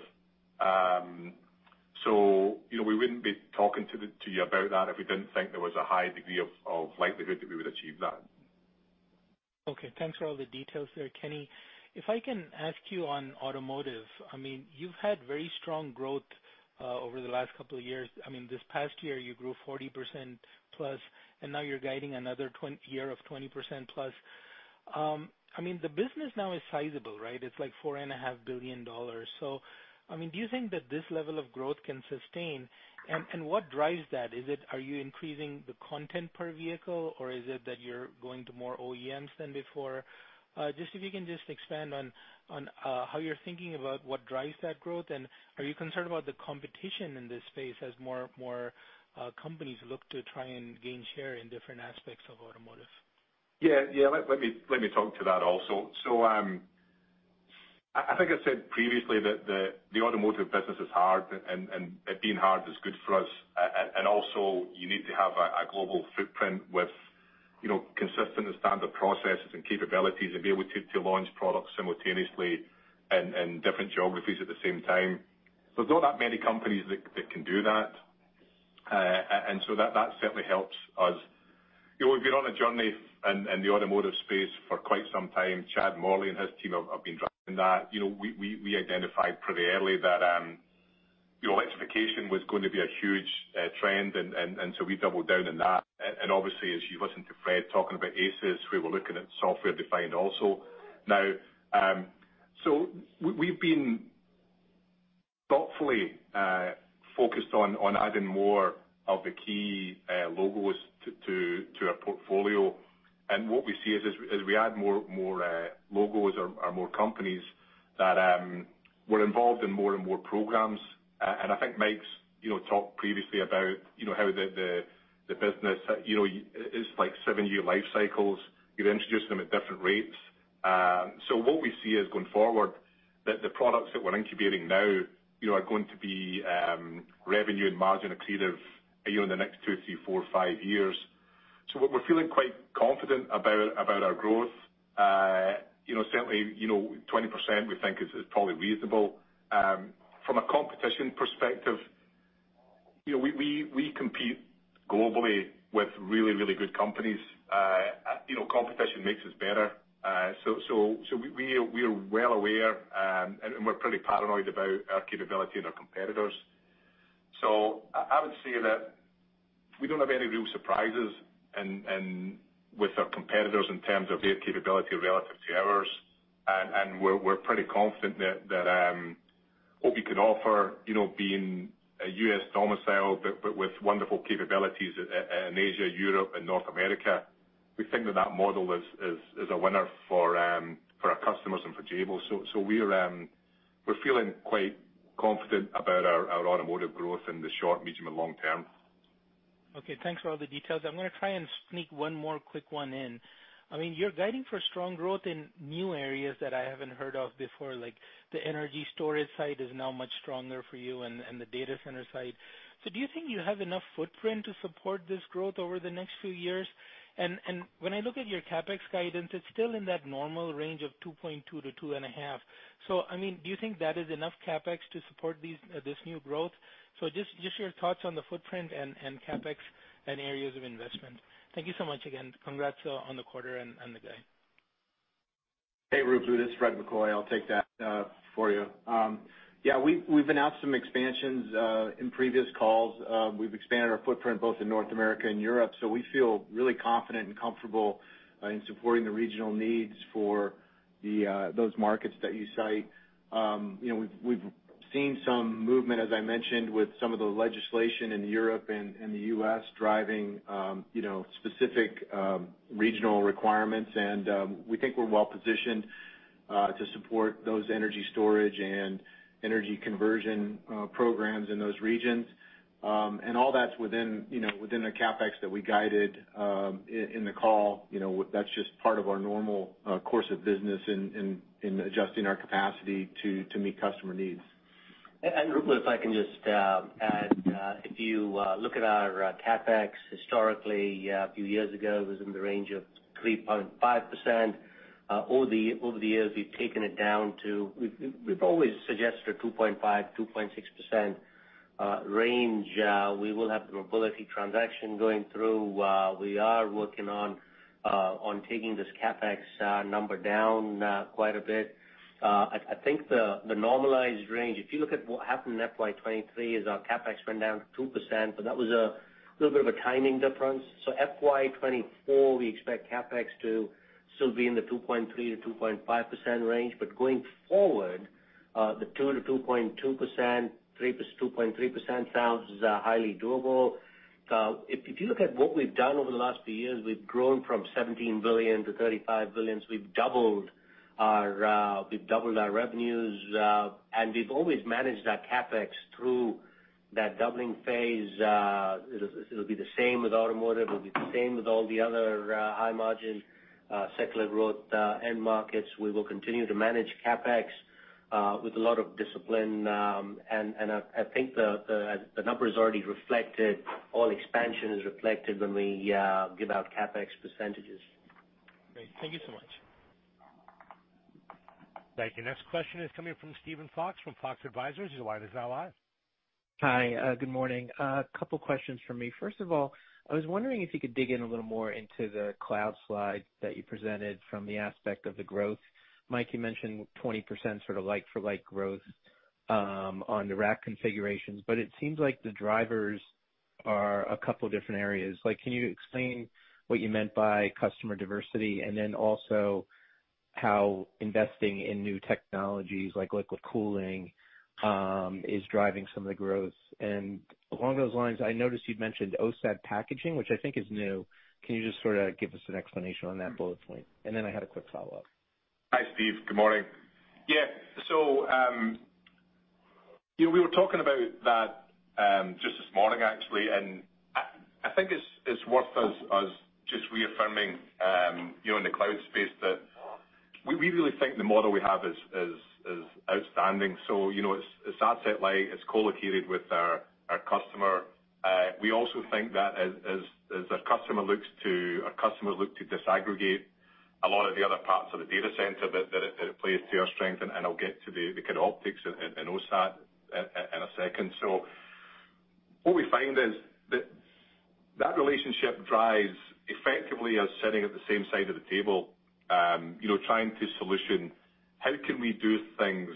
Speaker 3: So, you know, we wouldn't be talking to you about that if we didn't think there was a high degree of likelihood that we would achieve that.
Speaker 6: Okay, thanks for all the details there, Kenny. If I can ask you on automotive, I mean, you've had very strong growth over the last couple of years. I mean, this past year, you grew 40%+, and now you're guiding another year of 20%+. I mean, the business now is sizable, right? It's like $4.5 billion. So, I mean, do you think that this level of growth can sustain? And what drives that? Is it, are you increasing the content per vehicle, or is it that you're going to more OEMs than before? Just if you can expand on how you're thinking about what drives that growth, and are you concerned about the competition in this space as more companies look to try and gain share in different aspects of automotive?
Speaker 3: Yeah. Yeah, let me talk to that also. So, I think I said previously that the automotive business is hard and it being hard is good for us. And also, you need to have a global footprint with, you know, consistent and standard processes and capabilities and be able to launch products simultaneously in different geographies at the same time. There's not that many companies that can do that, and so that certainly helps us. You know, we've been on a journey in the automotive space for quite some time. Chad Morley and his team have been driving that. You know, we identified pretty early that, you know, electrification was going to be a huge trend, and so we doubled down on that. Obviously, as you listened to Fred talking about ACES, we were looking at software defined also. Now, so we've been thoughtfully focused on adding more of the key logos to our portfolio. And what we see is as we add more logos or more companies that we're involved in more and more programs. And I think Mike's, you know, talked previously about, you know, how the business, you know, it's like seven-year life cycles. You introduce them at different rates. So what we see is going forward, that the products that we're incubating now, you know, are going to be revenue and margin accretive, you know, in the next two, three, four, five years. So what we're feeling quite confident about our growth, you know, certainly, you know, 20% we think is probably reasonable. From a competition perspective, you know, we compete globally with really, really good companies. You know, competition makes us better. So we are well aware, and we're pretty paranoid about our capability and our competitors. So I would say that we don't have any real surprises and with our competitors in terms of their capability relative to ours, and we're pretty confident that what we can offer, you know, being a U.S. domicile, but with wonderful capabilities in Asia, Europe, and North America, we think that that model is a winner for our customers and for Jabil. So, we're feeling quite confident about our automotive growth in the short, medium, and long term.
Speaker 6: Okay, thanks for all the details. I'm gonna try and sneak one more quick one in. I mean, you're guiding for strong growth in new areas that I haven't heard of before, like the energy storage side is now much stronger for you and the data center side. So do you think you have enough footprint to support this growth over the next few years? And when I look at your CapEx guidance, it's still in that normal range of 2.2-2.5. So, I mean, do you think that is enough CapEx to support this new growth? So just your thoughts on the footprint and CapEx and areas of investment. Thank you so much again. Congrats on the quarter and the guide.
Speaker 4: Hey, Rupal, this is Fred McCoy. I'll take that for you. Yeah, we've announced some expansions in previous calls. We've expanded our footprint both in North America and Europe, so we feel really confident and comfortable in supporting the regional needs for the those markets that you cite. You know, we've seen some movement, as I mentioned, with some of the legislation in Europe and the U.S. driving you know specific regional requirements, and we think we're well positioned to support those energy storage and energy conversion programs in those regions. And all that's within you know within the CapEx that we guided in the call. You know, with-- that's just part of our normal course of business in adjusting our capacity to meet customer needs.
Speaker 5: Rupal, if I can just add, if you look at our CapEx historically, a few years ago, it was in the range of 3.5%. Over the years, we've taken it down to. We've always suggested a 2.5-2.6% range. We will have the mobility transaction going through. We are working on taking this CapEx number down quite a bit. I think the normalized range, if you look at what happened in FY 2023, is our CapEx went down to 2%, but that was a little bit of a timing difference. FY 2024, we expect CapEx to still be in the 2.3%-2.5% range, but going forward, the 2%-2.2%, 2.3% sounds highly doable. If you look at what we've done over the last few years, we've grown from $17 billion to $35 billion, so we've doubled our revenues, and we've always managed our CapEx through that doubling phase. It'll be the same with automotive, it'll be the same with all the other high-margin secular growth end markets. We will continue to manage CapEx with a lot of discipline, and I think the number is already reflected, all expansion is reflected when we give out CapEx percentages.
Speaker 6: Great. Thank you so much.
Speaker 1: Thank you. Next question is coming from Steven Fox, from Fox Advisors. Your line's wide open now live.
Speaker 7: Hi, good morning. A couple questions from me. First of all, I was wondering if you could dig in a little more into the cloud slide that you presented from the aspect of the growth. Mike, you mentioned 20% sort of like-for-like growth on the rack configurations, but it seems like the drivers are a couple different areas. Like, can you explain what you meant by customer diversity, and then also how investing in new technologies like liquid cooling is driving some of the growth? And along those lines, I noticed you'd mentioned OSAT packaging, which I think is new. Can you just sort of give us an explanation on that bullet point? And then I had a quick follow-up.
Speaker 3: Hi, Steve. Good morning. Yeah. So, you know, we were talking about that just this morning, actually, and I think it's worth us just reaffirming, you know, in the cloud space, that we really think the model we have is outstanding. So, you know, it's asset light, it's co-located with our customer. We also think that as our customer looks to, our customers look to disaggregate a lot of the other parts of the data center, that it plays to our strength, and I'll get to the kind of optics and OSAT in a second. So what we find is that that relationship drives effectively us sitting at the same side of the table, you know, trying to solution, how can we do things,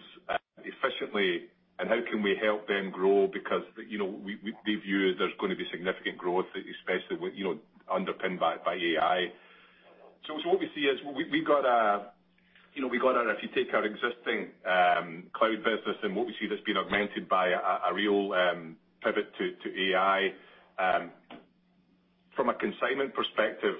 Speaker 3: efficiently and how can we help them grow? Because, you know, we they view there's going to be significant growth, especially with, you know, underpinned by, by AI. So what we see is we, we've got a, you know, we've got a- if you take our existing, cloud business and what we see that's been augmented by a, a real, pivot to, to AI, from a consignment perspective,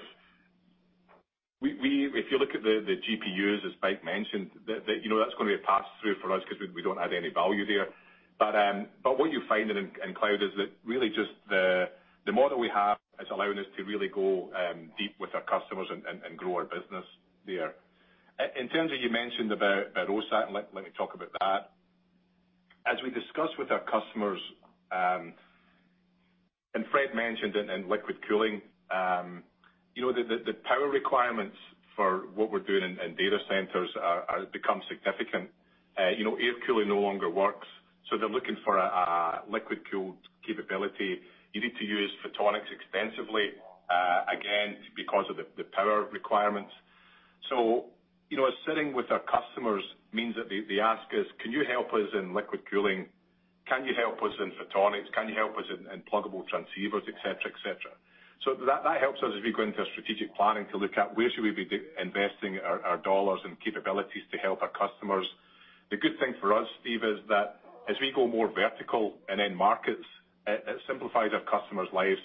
Speaker 3: we, if you look at the, the GPUs, as Mike mentioned, that, you know, that's gonna be a pass-through for us because we don't add any value there. But what you find in cloud is that really just the model we have is allowing us to really go deep with our customers and grow our business there. In terms of what you mentioned about OSAT, let me talk about that. As we discuss with our customers, and Fred mentioned in liquid cooling, you know, the power requirements for what we're doing in data centers are become significant. You know, air cooling no longer works, so they're looking for a liquid-cooled capability. You need to use photonics extensively, again, because of the power requirements. So, you know, sitting with our customers means that they ask us: Can you help us in liquid cooling? Can you help us in photonics? Can you help us in pluggable transceivers, et cetera, et cetera. So that helps us as we go into our strategic planning to look at where should we be investing our dollars and capabilities to help our customers. The good thing for us, Steve, is that as we go more vertical and end markets, it simplifies our customers' lives,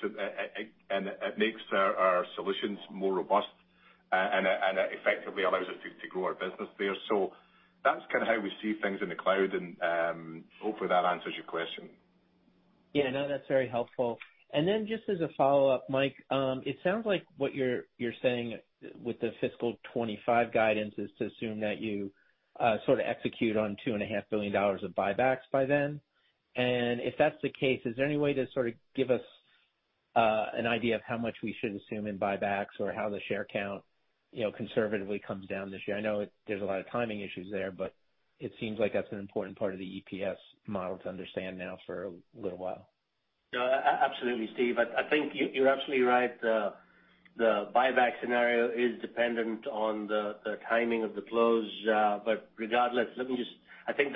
Speaker 3: and it makes our solutions more robust, and it effectively allows us to grow our business there. So that's kind of how we see things in the cloud, and hopefully, that answers your question.
Speaker 7: Yeah, no, that's very helpful. And then just as a follow-up, Mike, it sounds like what you're saying with the fiscal 2025 guidance is to assume that you sort of execute on $2.5 billion of buybacks by then. And if that's the case, is there any way to sort of give us an idea of how much we should assume in buybacks or how the share count, you know, conservatively comes down this year? I know there's a lot of timing issues there, but it seems like that's an important part of the EPS model to understand now for a little while.
Speaker 5: No, absolutely, Steve. I think you’re absolutely right. The buyback scenario is dependent on the timing of the close, but regardless, let me just... I think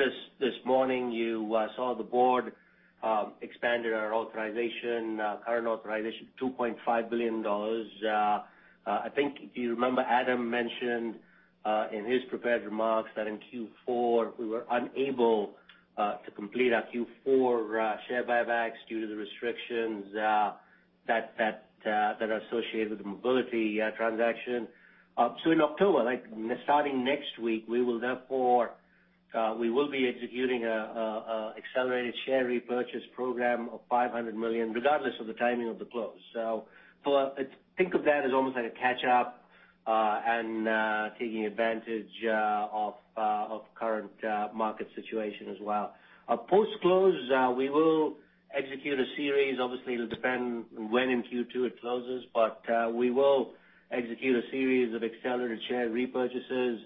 Speaker 5: this morning, you saw the board expanded our authorization, current authorization, $2.5 billion. I think if you remember, Adam mentioned in his prepared remarks that in Q4, we were unable to complete our Q4 share buybacks due to the restrictions that are associated with the mobility transaction. So in October, like starting next week, we will therefore be executing accelerated share repurchase program of $500 million, regardless of the timing of the close. So, for, think of that as almost like a catch up, and taking advantage of current market situation as well. Post-close, we will execute a series. Obviously, it'll depend on when in Q2 it closes, but we will execute a series of accelerated share repurchases.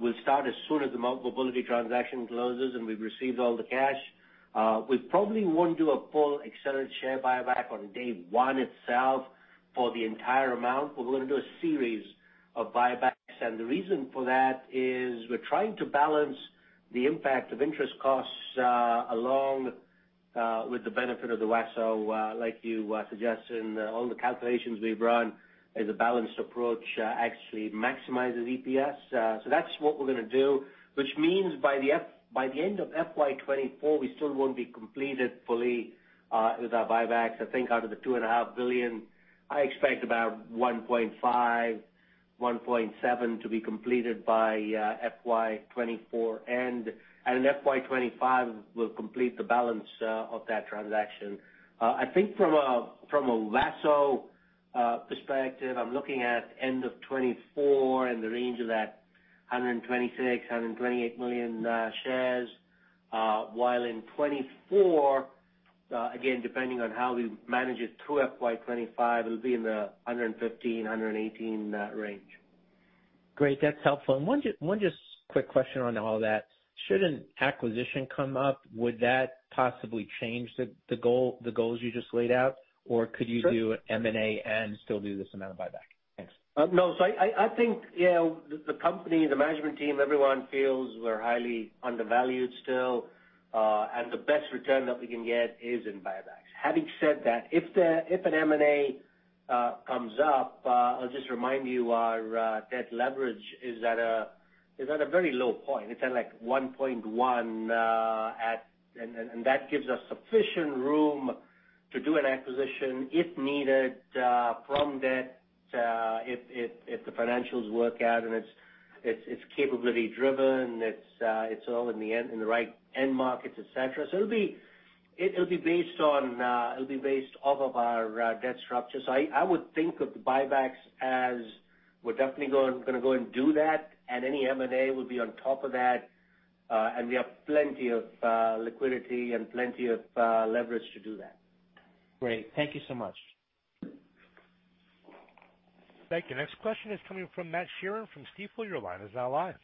Speaker 5: We'll start as soon as the mobility transaction closes and we've received all the cash. We probably won't do a full accelerated share buyback on day one itself for the entire amount. We're going to do a series of buybacks, and the reason for that is we're trying to balance the impact of interest costs, along with the benefit of the [VASO], like you suggested, and all the calculations we've run as a balanced approach actually maximizes EPS. So that's what we're gonna do, which means by the end of FY 2024, we still won't be completed fully with our buybacks. I think out of the $2.5 billion, I expect about $1.5-$1.7 billion to be completed by FY 2024 end, and in FY 2025, we'll complete the balance of that transaction. I think from a [VASO] perspective, I'm looking at end of 2024 in the range of that 126-128 million shares, while in 2024, again, depending on how we manage it through FY 2025, it'll be in the 115-118 range.
Speaker 7: Great. That's helpful. And one quick question on all that: Should an acquisition come up, would that possibly change the goals you just laid out?
Speaker 5: Sure.
Speaker 7: Or could you do M&A and still do this amount of buyback? Thanks.
Speaker 5: No, so I think, yeah, the company, the management team, everyone feels we're highly undervalued still, and the best return that we can get is in buybacks. Having said that, if an M&A comes up, I'll just remind you, our debt leverage is at a very low point. It's at, like, 1.1. And that gives us sufficient room to do an acquisition, if needed, from debt, if the financials work out and it's capability driven, it's all in the end markets, et cetera. So it'll be based off of our debt structure. I would think of the buybacks as we're definitely going, gonna go and do that, and any M&A will be on top of that, and we have plenty of liquidity and plenty of leverage to do that.
Speaker 7: Great. Thank you so much.
Speaker 1: Thank you. Next question is coming from Matt Sheerin from Stifel. Your line is now live.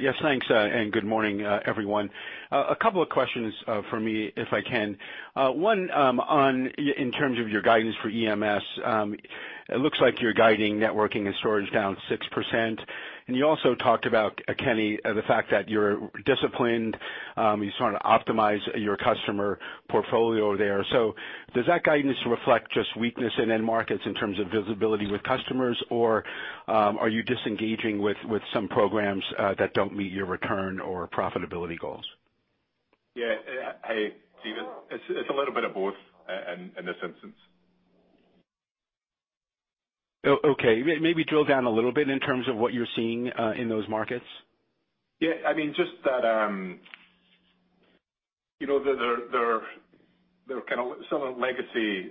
Speaker 8: Yes, thanks, and good morning, everyone. A couple of questions for me, if I can. One, on in terms of your guidance for EMS. It looks like you're guiding networking and storage down 6%, and you also talked about, Kenny, the fact that you're disciplined, you sort of optimize your customer portfolio there. So does that guidance reflect just weakness in end markets in terms of visibility with customers, or are you disengaging with some programs that don't meet your return or profitability goals?...
Speaker 3: Yeah, hey, Steve, it's a little bit of both, in this instance.
Speaker 8: Oh, okay. Maybe drill down a little bit in terms of what you're seeing in those markets?
Speaker 3: Yeah, I mean, just that, you know, there are kind of some legacy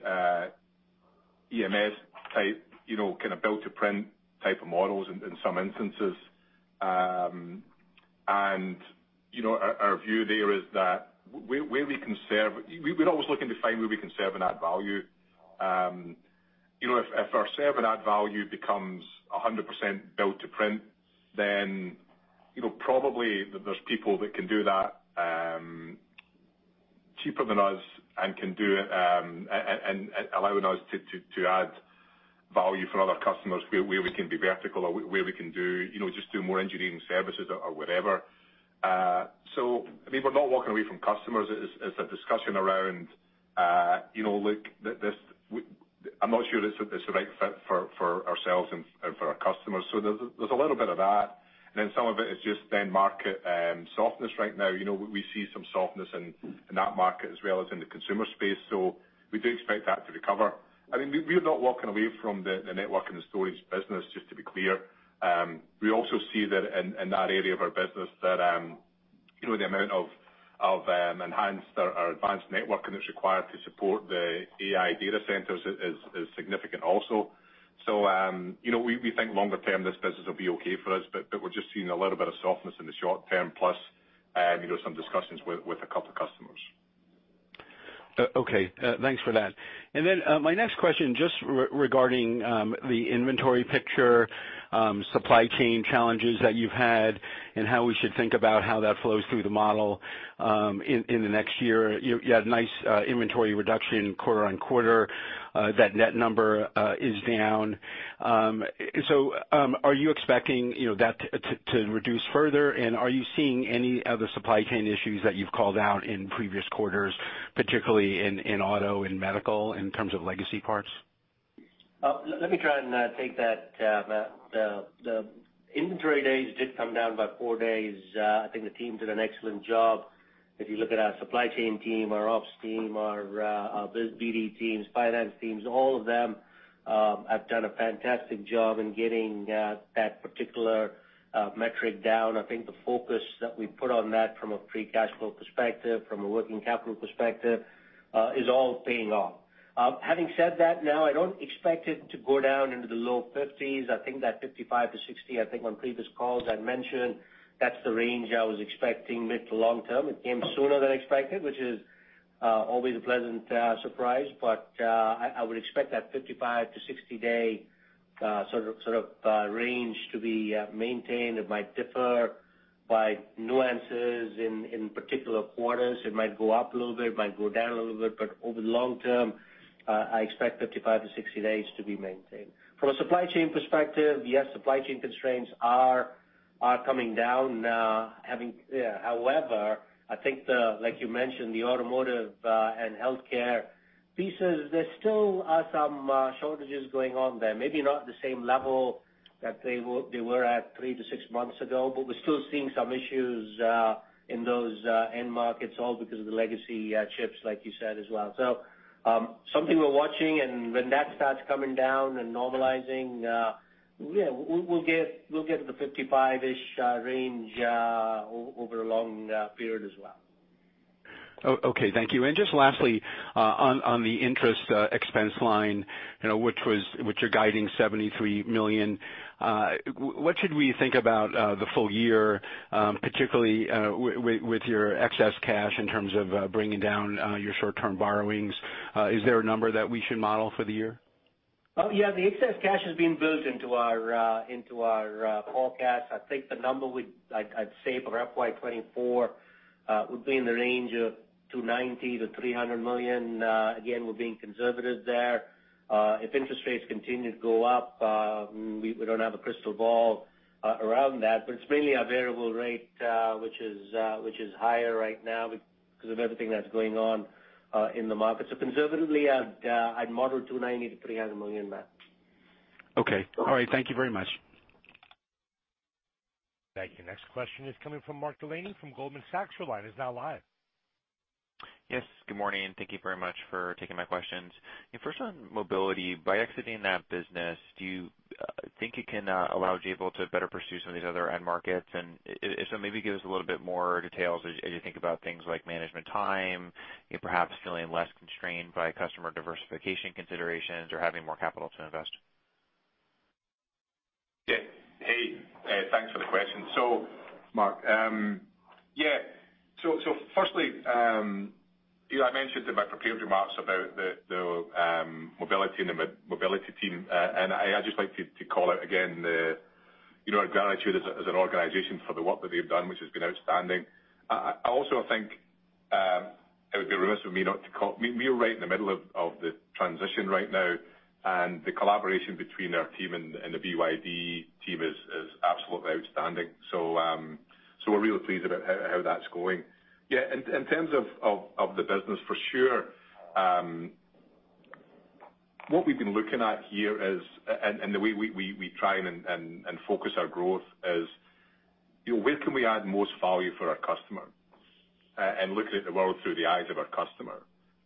Speaker 3: EMS type, you know, kind of built to print type of models in some instances. And, you know, our view there is that where we can serve—we're always looking to find where we can serve and add value. You know, if our serve and add value becomes 100% built to print, then, you know, probably there's people that can do that cheaper than us and can do and allowing us to add value for other customers where we can be vertical or where we can do, you know, just do more engineering services or whatever. So I mean, we're not walking away from customers. It's a discussion around, you know, look, I'm not sure it's the right fit for ourselves and for our customers. So there's a little bit of that, and then some of it is just the market softness right now. You know, we see some softness in that market as well as in the consumer space, so we do expect that to recover. I mean, we are not walking away from the network and the storage business, just to be clear. We also see that in that area of our business, you know, the amount of enhanced or advanced networking that's required to support the AI data centers is significant also. You know, we think longer term, this business will be okay for us, but we're just seeing a little bit of softness in the short term, plus, you know, some discussions with a couple customers.
Speaker 8: Okay. Thanks for that. And then, my next question, just regarding the inventory picture, supply chain challenges that you've had and how we should think about how that flows through the model, in the next year. You had nice inventory reduction quarter on quarter. That net number is down. So, are you expecting, you know, that to reduce further? And are you seeing any other supply chain issues that you've called out in previous quarters, particularly in auto and medical, in terms of legacy parts?
Speaker 5: Let me try and take that, Matt. The inventory days did come down by 4 days. I think the team did an excellent job. If you look at our supply chain team, our ops team, our biz-- BD teams, finance teams, all of them, have done a fantastic job in getting that particular metric down. I think the focus that we put on that from a free cash flow perspective, from a working capital perspective, is all paying off. Having said that, now, I don't expect it to go down into the low 50s. I think that 55-60, I think on previous calls I'd mentioned, that's the range I was expecting mid to long term. It came sooner than expected, which is always a pleasant surprise, but I would expect that 55-60-day sort of range to be maintained. It might differ by nuances in particular quarters. It might go up a little bit, it might go down a little bit, but over the long term, I expect 55-60 days to be maintained. From a supply chain perspective, yes, supply chain constraints are coming down, however, I think the, like you mentioned, the automotive and healthcare pieces, there still are some shortages going on there. Maybe not the same level that they were at 3-6 months ago, but we're still seeing some issues in those end markets, all because of the legacy chips, like you said as well. Something we're watching, and when that starts coming down and normalizing, yeah, we'll get to the 55-ish range over a long period as well.
Speaker 8: Oh, okay. Thank you. And just lastly, on the interest expense line, you know, which you're guiding $73 million. What should we think about the full year, particularly, with your excess cash in terms of bringing down your short-term borrowings? Is there a number that we should model for the year?
Speaker 5: Yeah, the excess cash has been built into our forecast. I think the number, like, I'd say for FY 2024 would be in the range of $290 million-$300 million. Again, we're being conservative there. If interest rates continue to go up, we don't have a crystal ball around that, but it's mainly our variable rate, which is higher right now because of everything that's going on in the market. So conservatively, I'd model $290 million-$300 million, Matt.
Speaker 8: Okay. All right. Thank you very much.
Speaker 1: Thank you. Next question is coming from Mark Delaney from Goldman Sachs. Your line is now live.
Speaker 9: Yes, good morning, and thank you very much for taking my questions. First, on mobility, by exiting that business, do you think it can allow Jabil to better pursue some of these other end markets? And if so, maybe give us a little bit more details as you think about things like management time, you perhaps feeling less constrained by customer diversification considerations or having more capital to invest.
Speaker 3: Yeah. Hey, thanks for the question. So Mark, yeah, so firstly, you know, I mentioned in my prepared remarks about the mobility and the mobility team, and I'd just like to call out again the, you know, our gratitude as a, as an organization for the work that they've done, which has been outstanding. I also think it would be remiss of me not to call—we are right in the middle of the transition right now, and the collaboration between our team and the BYD team is absolutely outstanding. So we're really pleased about how that's going. Yeah, in terms of the business, for sure—... What we've been looking at here is, and the way we try and focus our growth is, you know, where can we add most value for our customer? And looking at the world through the eyes of our customer.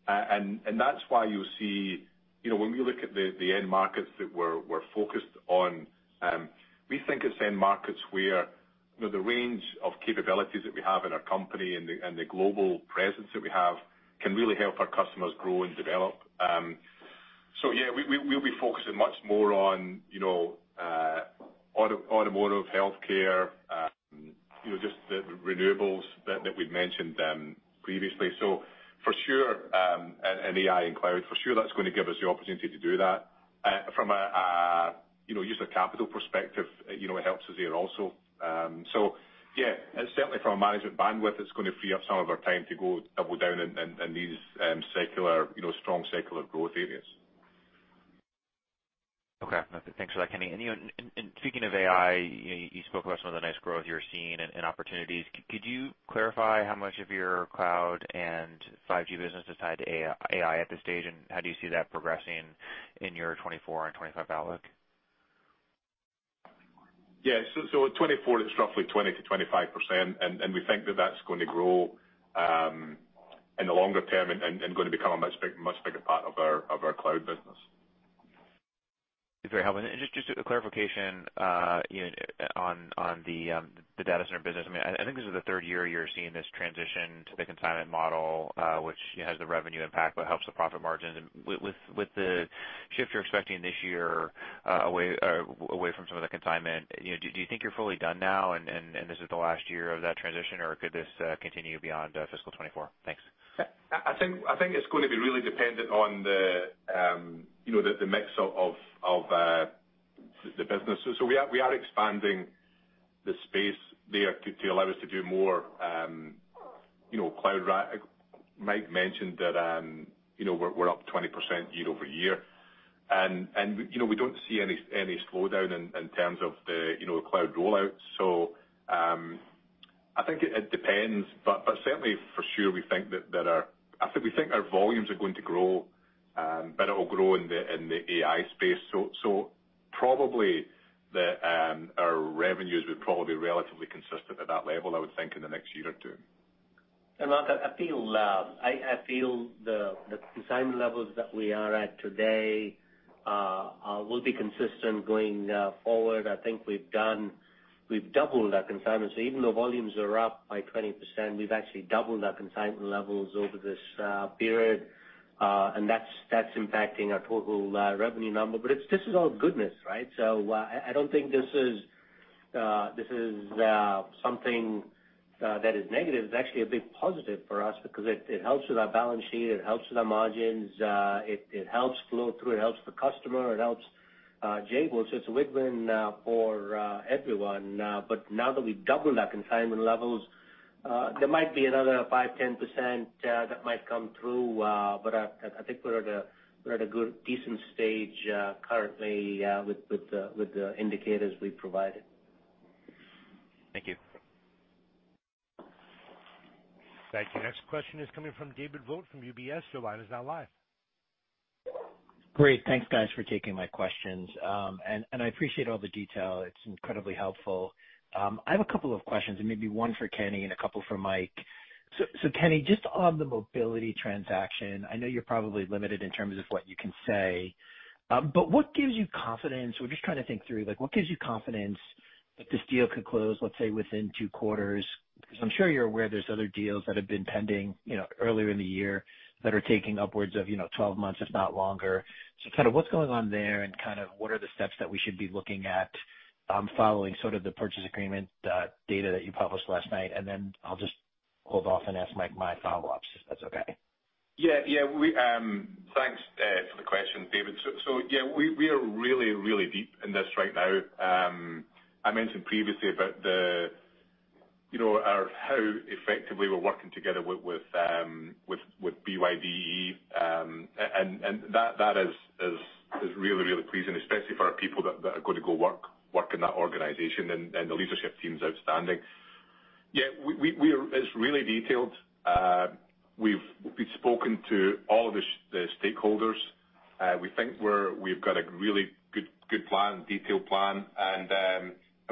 Speaker 3: And that's why you see, you know, when we look at the end markets that we're focused on, we think it's end markets where, you know, the range of capabilities that we have in our company and the global presence that we have can really help our customers grow and develop. So yeah, we'll be focusing much more on, you know, automotive, healthcare, you know, just the renewables that we've mentioned, previously. So for sure, AI and cloud, for sure that's going to give us the opportunity to do that. From a, you know, user capital perspective, you know, it helps us there also. So yeah, certainly from a management bandwidth, it's gonna free up some of our time to go double down in these secular, you know, strong secular growth areas.
Speaker 9: Okay. Thanks for that, Kenny. And, you know, speaking of AI, you spoke about some of the nice growth you're seeing and opportunities. Could you clarify how much of your cloud and 5G business is tied to AI at this stage, and how do you see that progressing in your 2024 and 2025 outlook?
Speaker 3: Yeah. So at 24, it's roughly 20%-25%, and we think that that's going to grow in the longer term and gonna become a much bigger part of our cloud business.
Speaker 9: It's very helpful. And just, just a clarification, you know, on, on the, the data center business. I mean, I, I think this is the third year you're seeing this transition to the consignment model, which has the revenue impact, but helps the profit margins. And with, with, with the shift you're expecting this year, away, away from some of the consignment, you know, do, do you think you're fully done now and, and, and this is the last year of that transition, or could this, continue beyond, fiscal 2024? Thanks.
Speaker 3: I, I think, I think it's going to be really dependent on the, you know, the, the mix of, of, the business. So we are, we are expanding the space there to, to allow us to do more, you know, cloud. Mike mentioned that, you know, we're, we're up 20% year-over-year, and, and, you know, we don't see any, any slowdown in, in terms of the, you know, cloud rollout. So, I think it, it depends, but, but certainly for sure, we think that, that our-- I think we think our volumes are going to grow, but it will grow in the, in the AI space. So, so probably, the, our revenues will probably be relatively consistent at that level, I would think, in the next year or two.
Speaker 5: I feel the consignment levels that we are at today will be consistent going forward. I think we've doubled our consignment. So even though volumes are up by 20%, we've actually doubled our consignment levels over this period, and that's impacting our total revenue number. But this is all goodness, right? So, I don't think this is something that is negative. It's actually a big positive for us because it helps with our balance sheet, it helps with our margins, it helps flow through, it helps the customer, it helps Jabil. So it's a win-win for everyone, but now that we've doubled our consignment levels, there might be another 5%-10% that might come through, but I think we're at a good, decent stage currently with the indicators we've provided.
Speaker 9: Thank you.
Speaker 1: Thank you. Next question is coming from David Vogt, from UBS. Your line is now live.
Speaker 10: Great. Thanks, guys, for taking my questions. And I appreciate all the detail. It's incredibly helpful. I have a couple of questions, and maybe one for Kenny and a couple for Mike. So, Kenny, just on the mobility transaction, I know you're probably limited in terms of what you can say, but what gives you confidence? We're just trying to think through, like, what gives you confidence that this deal could close, let's say, within 2 quarters? Because I'm sure you're aware there's other deals that have been pending, you know, earlier in the year, that are taking upwards of, you know, 12 months, if not longer. So kind of what's going on there and kind of what are the steps that we should be looking at, following sort of the purchase agreement data that you published last night, and then I'll just hold off and ask Mike my follow-ups, if that's okay.
Speaker 3: Yeah, yeah. Thanks for the question, David. So yeah, we are really deep in this right now. I mentioned previously about, you know, our, how effectively we're working together with BYD, and that is really pleasing, especially for our people that are going to go work in that organization, and the leadership team is outstanding. Yeah, we are. It's really detailed. We've spoken to all the stakeholders. We think we've got a really good plan, detailed plan, and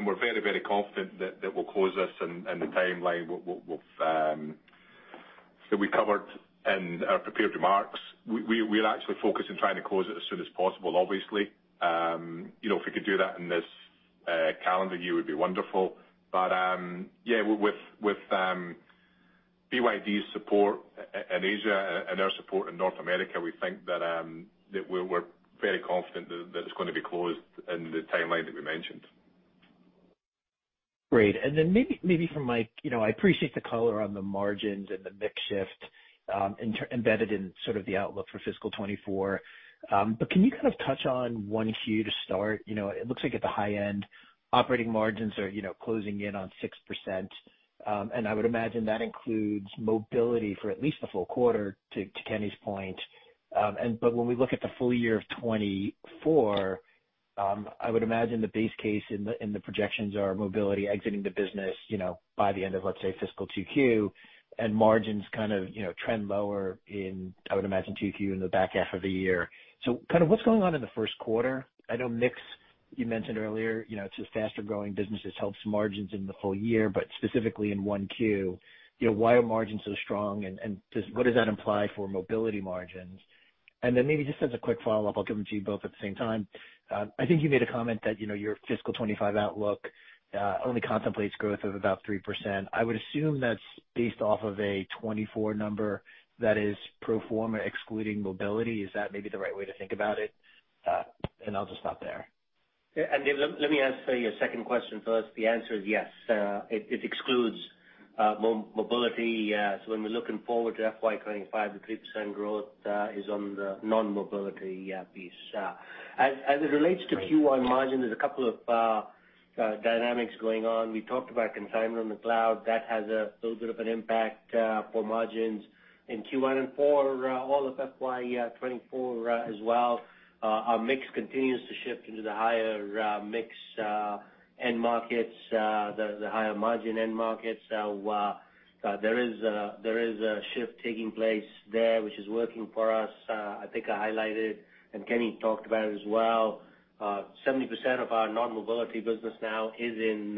Speaker 3: we're very confident that we'll close this in the timeline with that we covered in our prepared remarks. We're actually focused on trying to close it as soon as possible, obviously. You know, if we could do that in this calendar year, it would be wonderful. But yeah, with BYD's support in Asia and our support in North America, we think that we're very confident that it's gonna be closed in the timeline that we mentioned.
Speaker 10: Great. Then maybe, maybe for Mike, you know, I appreciate the color on the margins and the mix shift, inter-embedded in sort of the outlook for fiscal 2024. But can you kind of touch on Q1 to start? You know, it looks like at the high end, operating margins are, you know, closing in on 6%. And I would imagine that includes mobility for at least a full quarter, to, to Kenny's point. And but when we look at the full year of 2024-... I would imagine the base case in the, in the projections are mobility exiting the business, you know, by the end of, let's say, fiscal 2Q, and margins kind of, you know, trend lower in, I would imagine, 2Q in the back half of the year. So kind of what's going on in the first quarter? I know mix, you mentioned earlier, you know, it's a faster growing business, this helps margins in the full year, but specifically in Q1, you know, why are margins so strong, and what does that imply for mobility margins? And then maybe just as a quick follow-up, I'll give them to you both at the same time. I think you made a comment that, you know, your fiscal 2025 outlook only contemplates growth of about 3%. I would assume that's based off of a 2024 number that is pro forma excluding mobility. Is that maybe the right way to think about it? And I'll just stop there.
Speaker 5: Yeah, and, Dave, let me answer your second question first. The answer is yes. It excludes mobility. So when we're looking forward to FY 2025, the 3% growth is on the non-mobility piece. As it relates to Q1 margin, there's a couple of dynamics going on. We talked about consignment on the cloud. That has a little bit of an impact for margins in Q1 and for all of FY 2024 as well. Our mix continues to shift into the higher mix end markets, the higher margin end markets. So there is a shift taking place there, which is working for us. I think I highlighted, and Kenny talked about it as well, 70% of our non-mobility business now is in,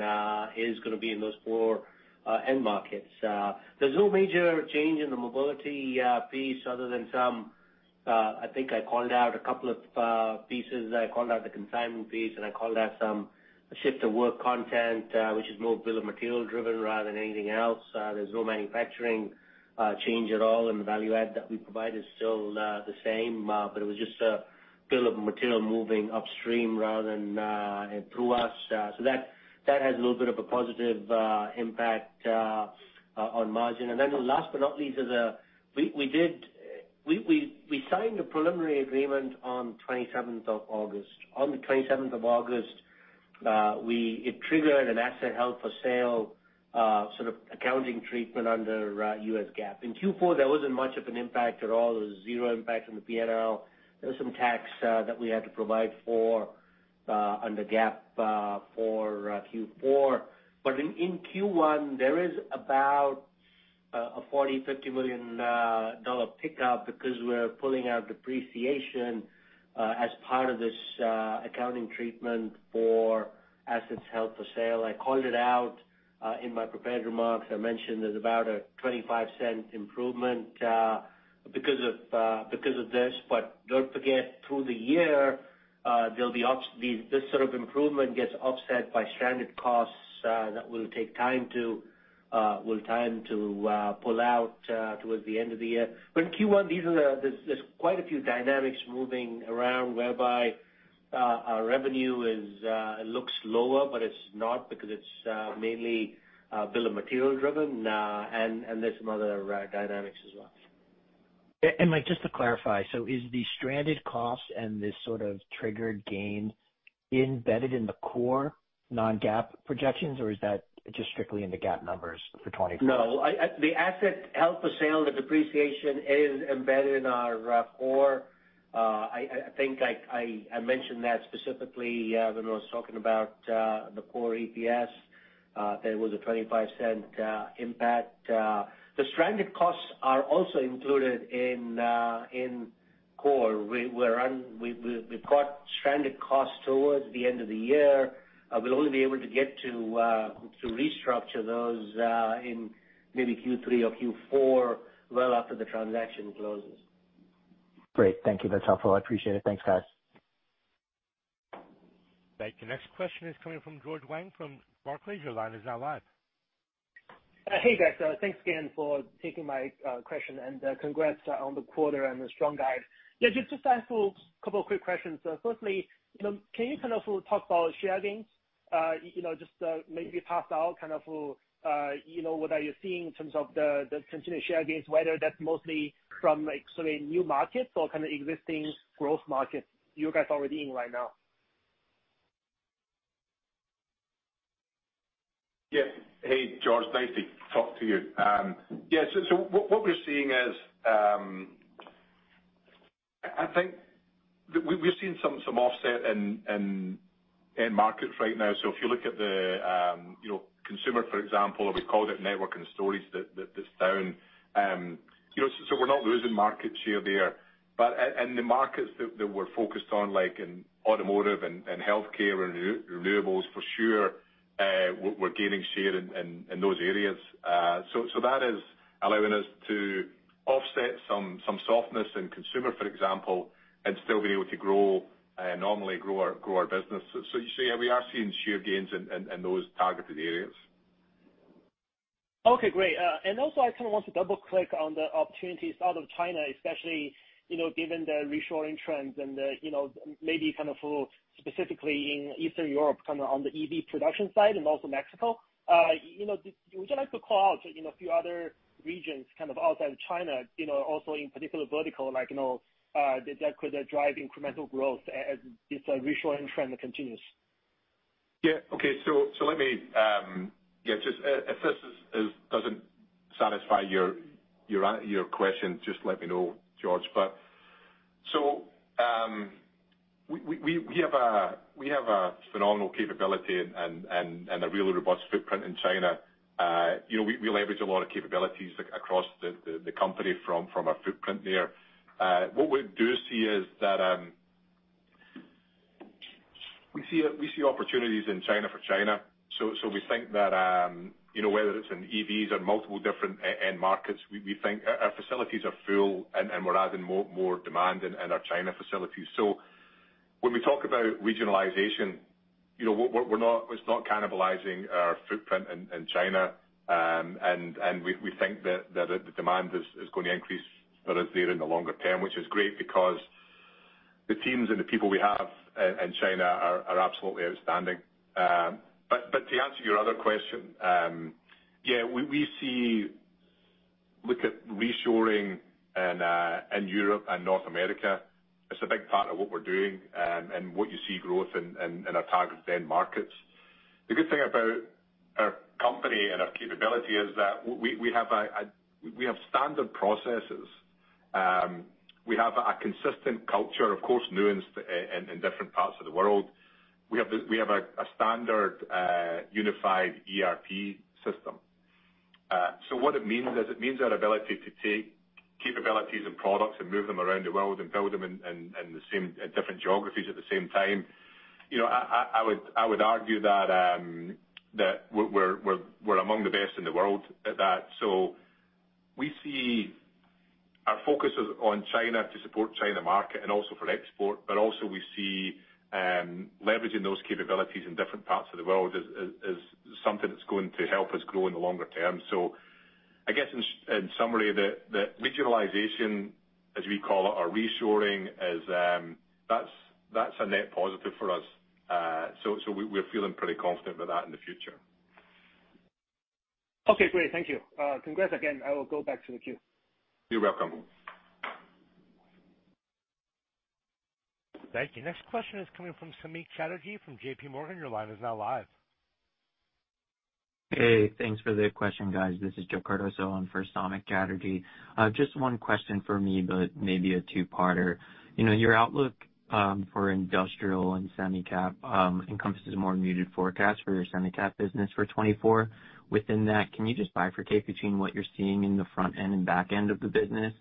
Speaker 5: is gonna be in those four end markets. There's no major change in the mobility piece other than some, I think I called out a couple of pieces. I called out the consignment piece, and I called out some shift of work content, which is more bill of material driven rather than anything else. There's no manufacturing change at all, and the value add that we provide is still the same, but it was just a bill of material moving upstream rather than through us. So that, that has a little bit of a positive impact on margin. And then last but not least, we signed a preliminary agreement on the twenty-seventh of August. On the twenty-seventh of August, it triggered an asset held for sale sort of accounting treatment under U.S. GAAP. In Q4, there wasn't much of an impact at all. There was zero impact on the P&L. There was some tax that we had to provide for under GAAP for Q4. But in Q1, there is about a $40 million-$50 million dollar pickup because we're pulling out depreciation as part of this accounting treatment for assets held for sale. I called it out in my prepared remarks. I mentioned there's about a $0.25 improvement because of this. But don't forget, through the year, there'll be these. This sort of improvement gets offset by stranded costs that will take time to pull out towards the end of the year. But in Q1, these are the—there's quite a few dynamics moving around whereby our revenue looks lower, but it's not because it's mainly bill of material driven, and there's some other dynamics as well.
Speaker 10: Mike, just to clarify, so is the stranded costs and this sort of triggered gain embedded in the core non-GAAP projections, or is that just strictly in the GAAP numbers for 2024?
Speaker 5: No, the asset held for sale, the depreciation is embedded in our core. I think I mentioned that specifically when I was talking about the core EPS, that it was a $0.25 impact. The stranded costs are also included in core. We've got stranded costs towards the end of the year. We'll only be able to get to restructure those in maybe Q3 or Q4, well after the transaction closes.
Speaker 10: Great. Thank you. That's helpful. I appreciate it. Thanks, guys.
Speaker 1: Thank you. Next question is coming from George Wang from Barclays. Your line is now live.
Speaker 11: Hey, guys. Thanks again for taking my question, and congrats on the quarter and the strong guide. Yeah, just time for a couple of quick questions. Firstly, you know, can you kind of talk about share gains? You know, just maybe pass out kind of, you know, what are you seeing in terms of the continued share gains, whether that's mostly from, like, say, new markets or kind of existing growth markets you guys are already in right now?
Speaker 3: Yeah. Hey, George, nice to talk to you. Yeah, so what we're seeing is, I think that we've seen some offset in end markets right now. So if you look at the, you know, consumer, for example, or we called it network and storage, that's down. You know, so we're not losing market share there. But the markets that we're focused on, like in automotive and healthcare and renewables, for sure, we're gaining share in those areas. So that is allowing us to offset some softness in consumer, for example, and still being able to grow, normally grow our business. So you see, yeah, we are seeing share gains in those targeted areas.
Speaker 11: Okay, great. And also, I kind of want to double-click on the opportunities out of China, especially, you know, given the reshoring trends and the, you know, maybe kind of specifically in Eastern Europe, kind of on the EV production side and also Mexico. You know, would you like to call out, you know, a few other regions kind of outside of China, you know, also in particular vertical, like, you know, that, that could drive incremental growth as this reshoring trend continues?...
Speaker 3: Yeah. Okay, so let me, yeah, just, if this doesn't satisfy your question, just let me know, George. But so, we have a phenomenal capability and a really robust footprint in China. You know, we leverage a lot of capabilities across the company from our footprint there. What we do see is that we see opportunities in China for China. So we think that, you know, whether it's in EVs or multiple different end markets, we think our facilities are full, and we're adding more demand in our China facilities. So when we talk about regionalization, you know, we're not. It's not cannibalizing our footprint in China. And we think that the demand is going to increase for us there in the longer term, which is great because the teams and the people we have in China are absolutely outstanding. But to answer your other question, yeah, we look at reshoring in Europe and North America. It's a big part of what we're doing, and what you see growth in our target end markets. The good thing about our company and our capability is that we have standard processes. We have a consistent culture, of course, nuanced in different parts of the world. We have a standard unified ERP system. So what it means is, it means our ability to take capabilities and products and move them around the world and build them in the same at different geographies at the same time. You know, I would argue that we're among the best in the world at that. So we see our focus is on China to support China market and also for export, but also we see leveraging those capabilities in different parts of the world as something that's going to help us grow in the longer term. So I guess in summary, the regionalization, as we call it, or reshoring, is that's a net positive for us. So we're feeling pretty confident about that in the future.
Speaker 11: Okay, great. Thank you. Congrats again. I will go back to the queue.
Speaker 3: You're welcome.
Speaker 1: Thank you. Next question is coming from Samik Chatterjee from JPMorgan. Your line is now live.
Speaker 12: Hey, thanks for the question, guys. This is Joe Cardoso in for Samik Chatterjee. Just one question for me, but maybe a two-parter. You know, your outlook for industrial and semi-cap encompasses a more muted forecast for your semi-cap business for 2024. Within that, can you just bifurcate between what you're seeing in the front end and back end of the business,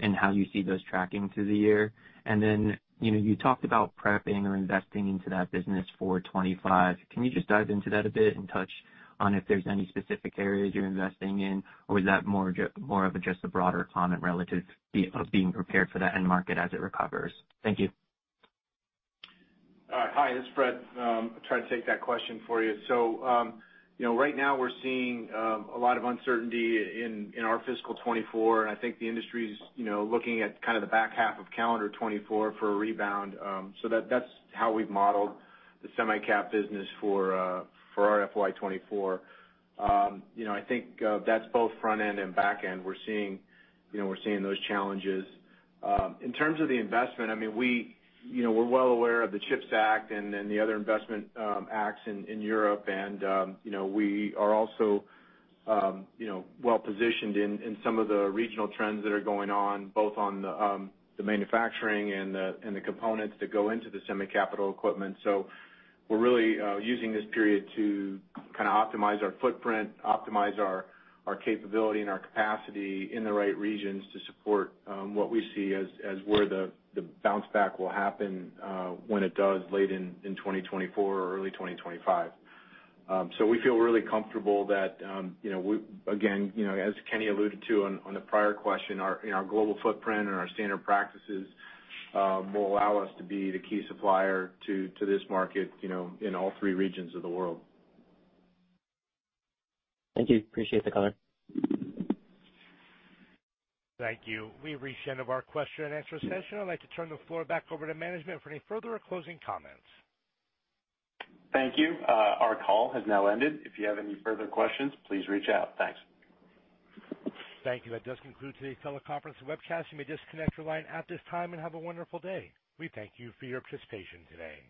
Speaker 12: and how you see those tracking through the year? And then, you know, you talked about prepping or investing into that business for 2025. Can you just dive into that a bit and touch on if there's any specific areas you're investing in, or is that more of just a broader comment relative to being prepared for that end market as it recovers? Thank you.
Speaker 4: Hi, this is Fred. I'll try to take that question for you. So, you know, right now we're seeing a lot of uncertainty in our fiscal 2024, and I think the industry's, you know, looking at kind of the back half of calendar 2024 for a rebound. So that's how we've modeled the semi-cap business for our FY 2024. You know, I think that's both front end and back end. We're seeing those challenges. In terms of the investment, I mean, we, you know, we're well aware of the CHIPS Act and the other investment acts in Europe. You know, we are also, you know, well positioned in some of the regional trends that are going on, both on the manufacturing and the components that go into the semi-cap equipment. So we're really using this period to kind of optimize our footprint, optimize our capability and our capacity in the right regions to support what we see as where the bounce back will happen when it does late in 2024 or early 2025. So we feel really comfortable that you know, we... Again, you know, as Kenny alluded to on the prior question, our you know, our global footprint and our standard practices will allow us to be the key supplier to this market, you know, in all three regions of the world.
Speaker 12: Thank you. Appreciate the color.
Speaker 1: Thank you. We've reached the end of our question and answer session. I'd like to turn the floor back over to management for any further or closing comments.
Speaker 3: Thank you. Our call has now ended. If you have any further questions, please reach out. Thanks.
Speaker 1: Thank you. That does conclude today's teleconference and webcast. You may disconnect your line at this time and have a wonderful day. We thank you for your participation today.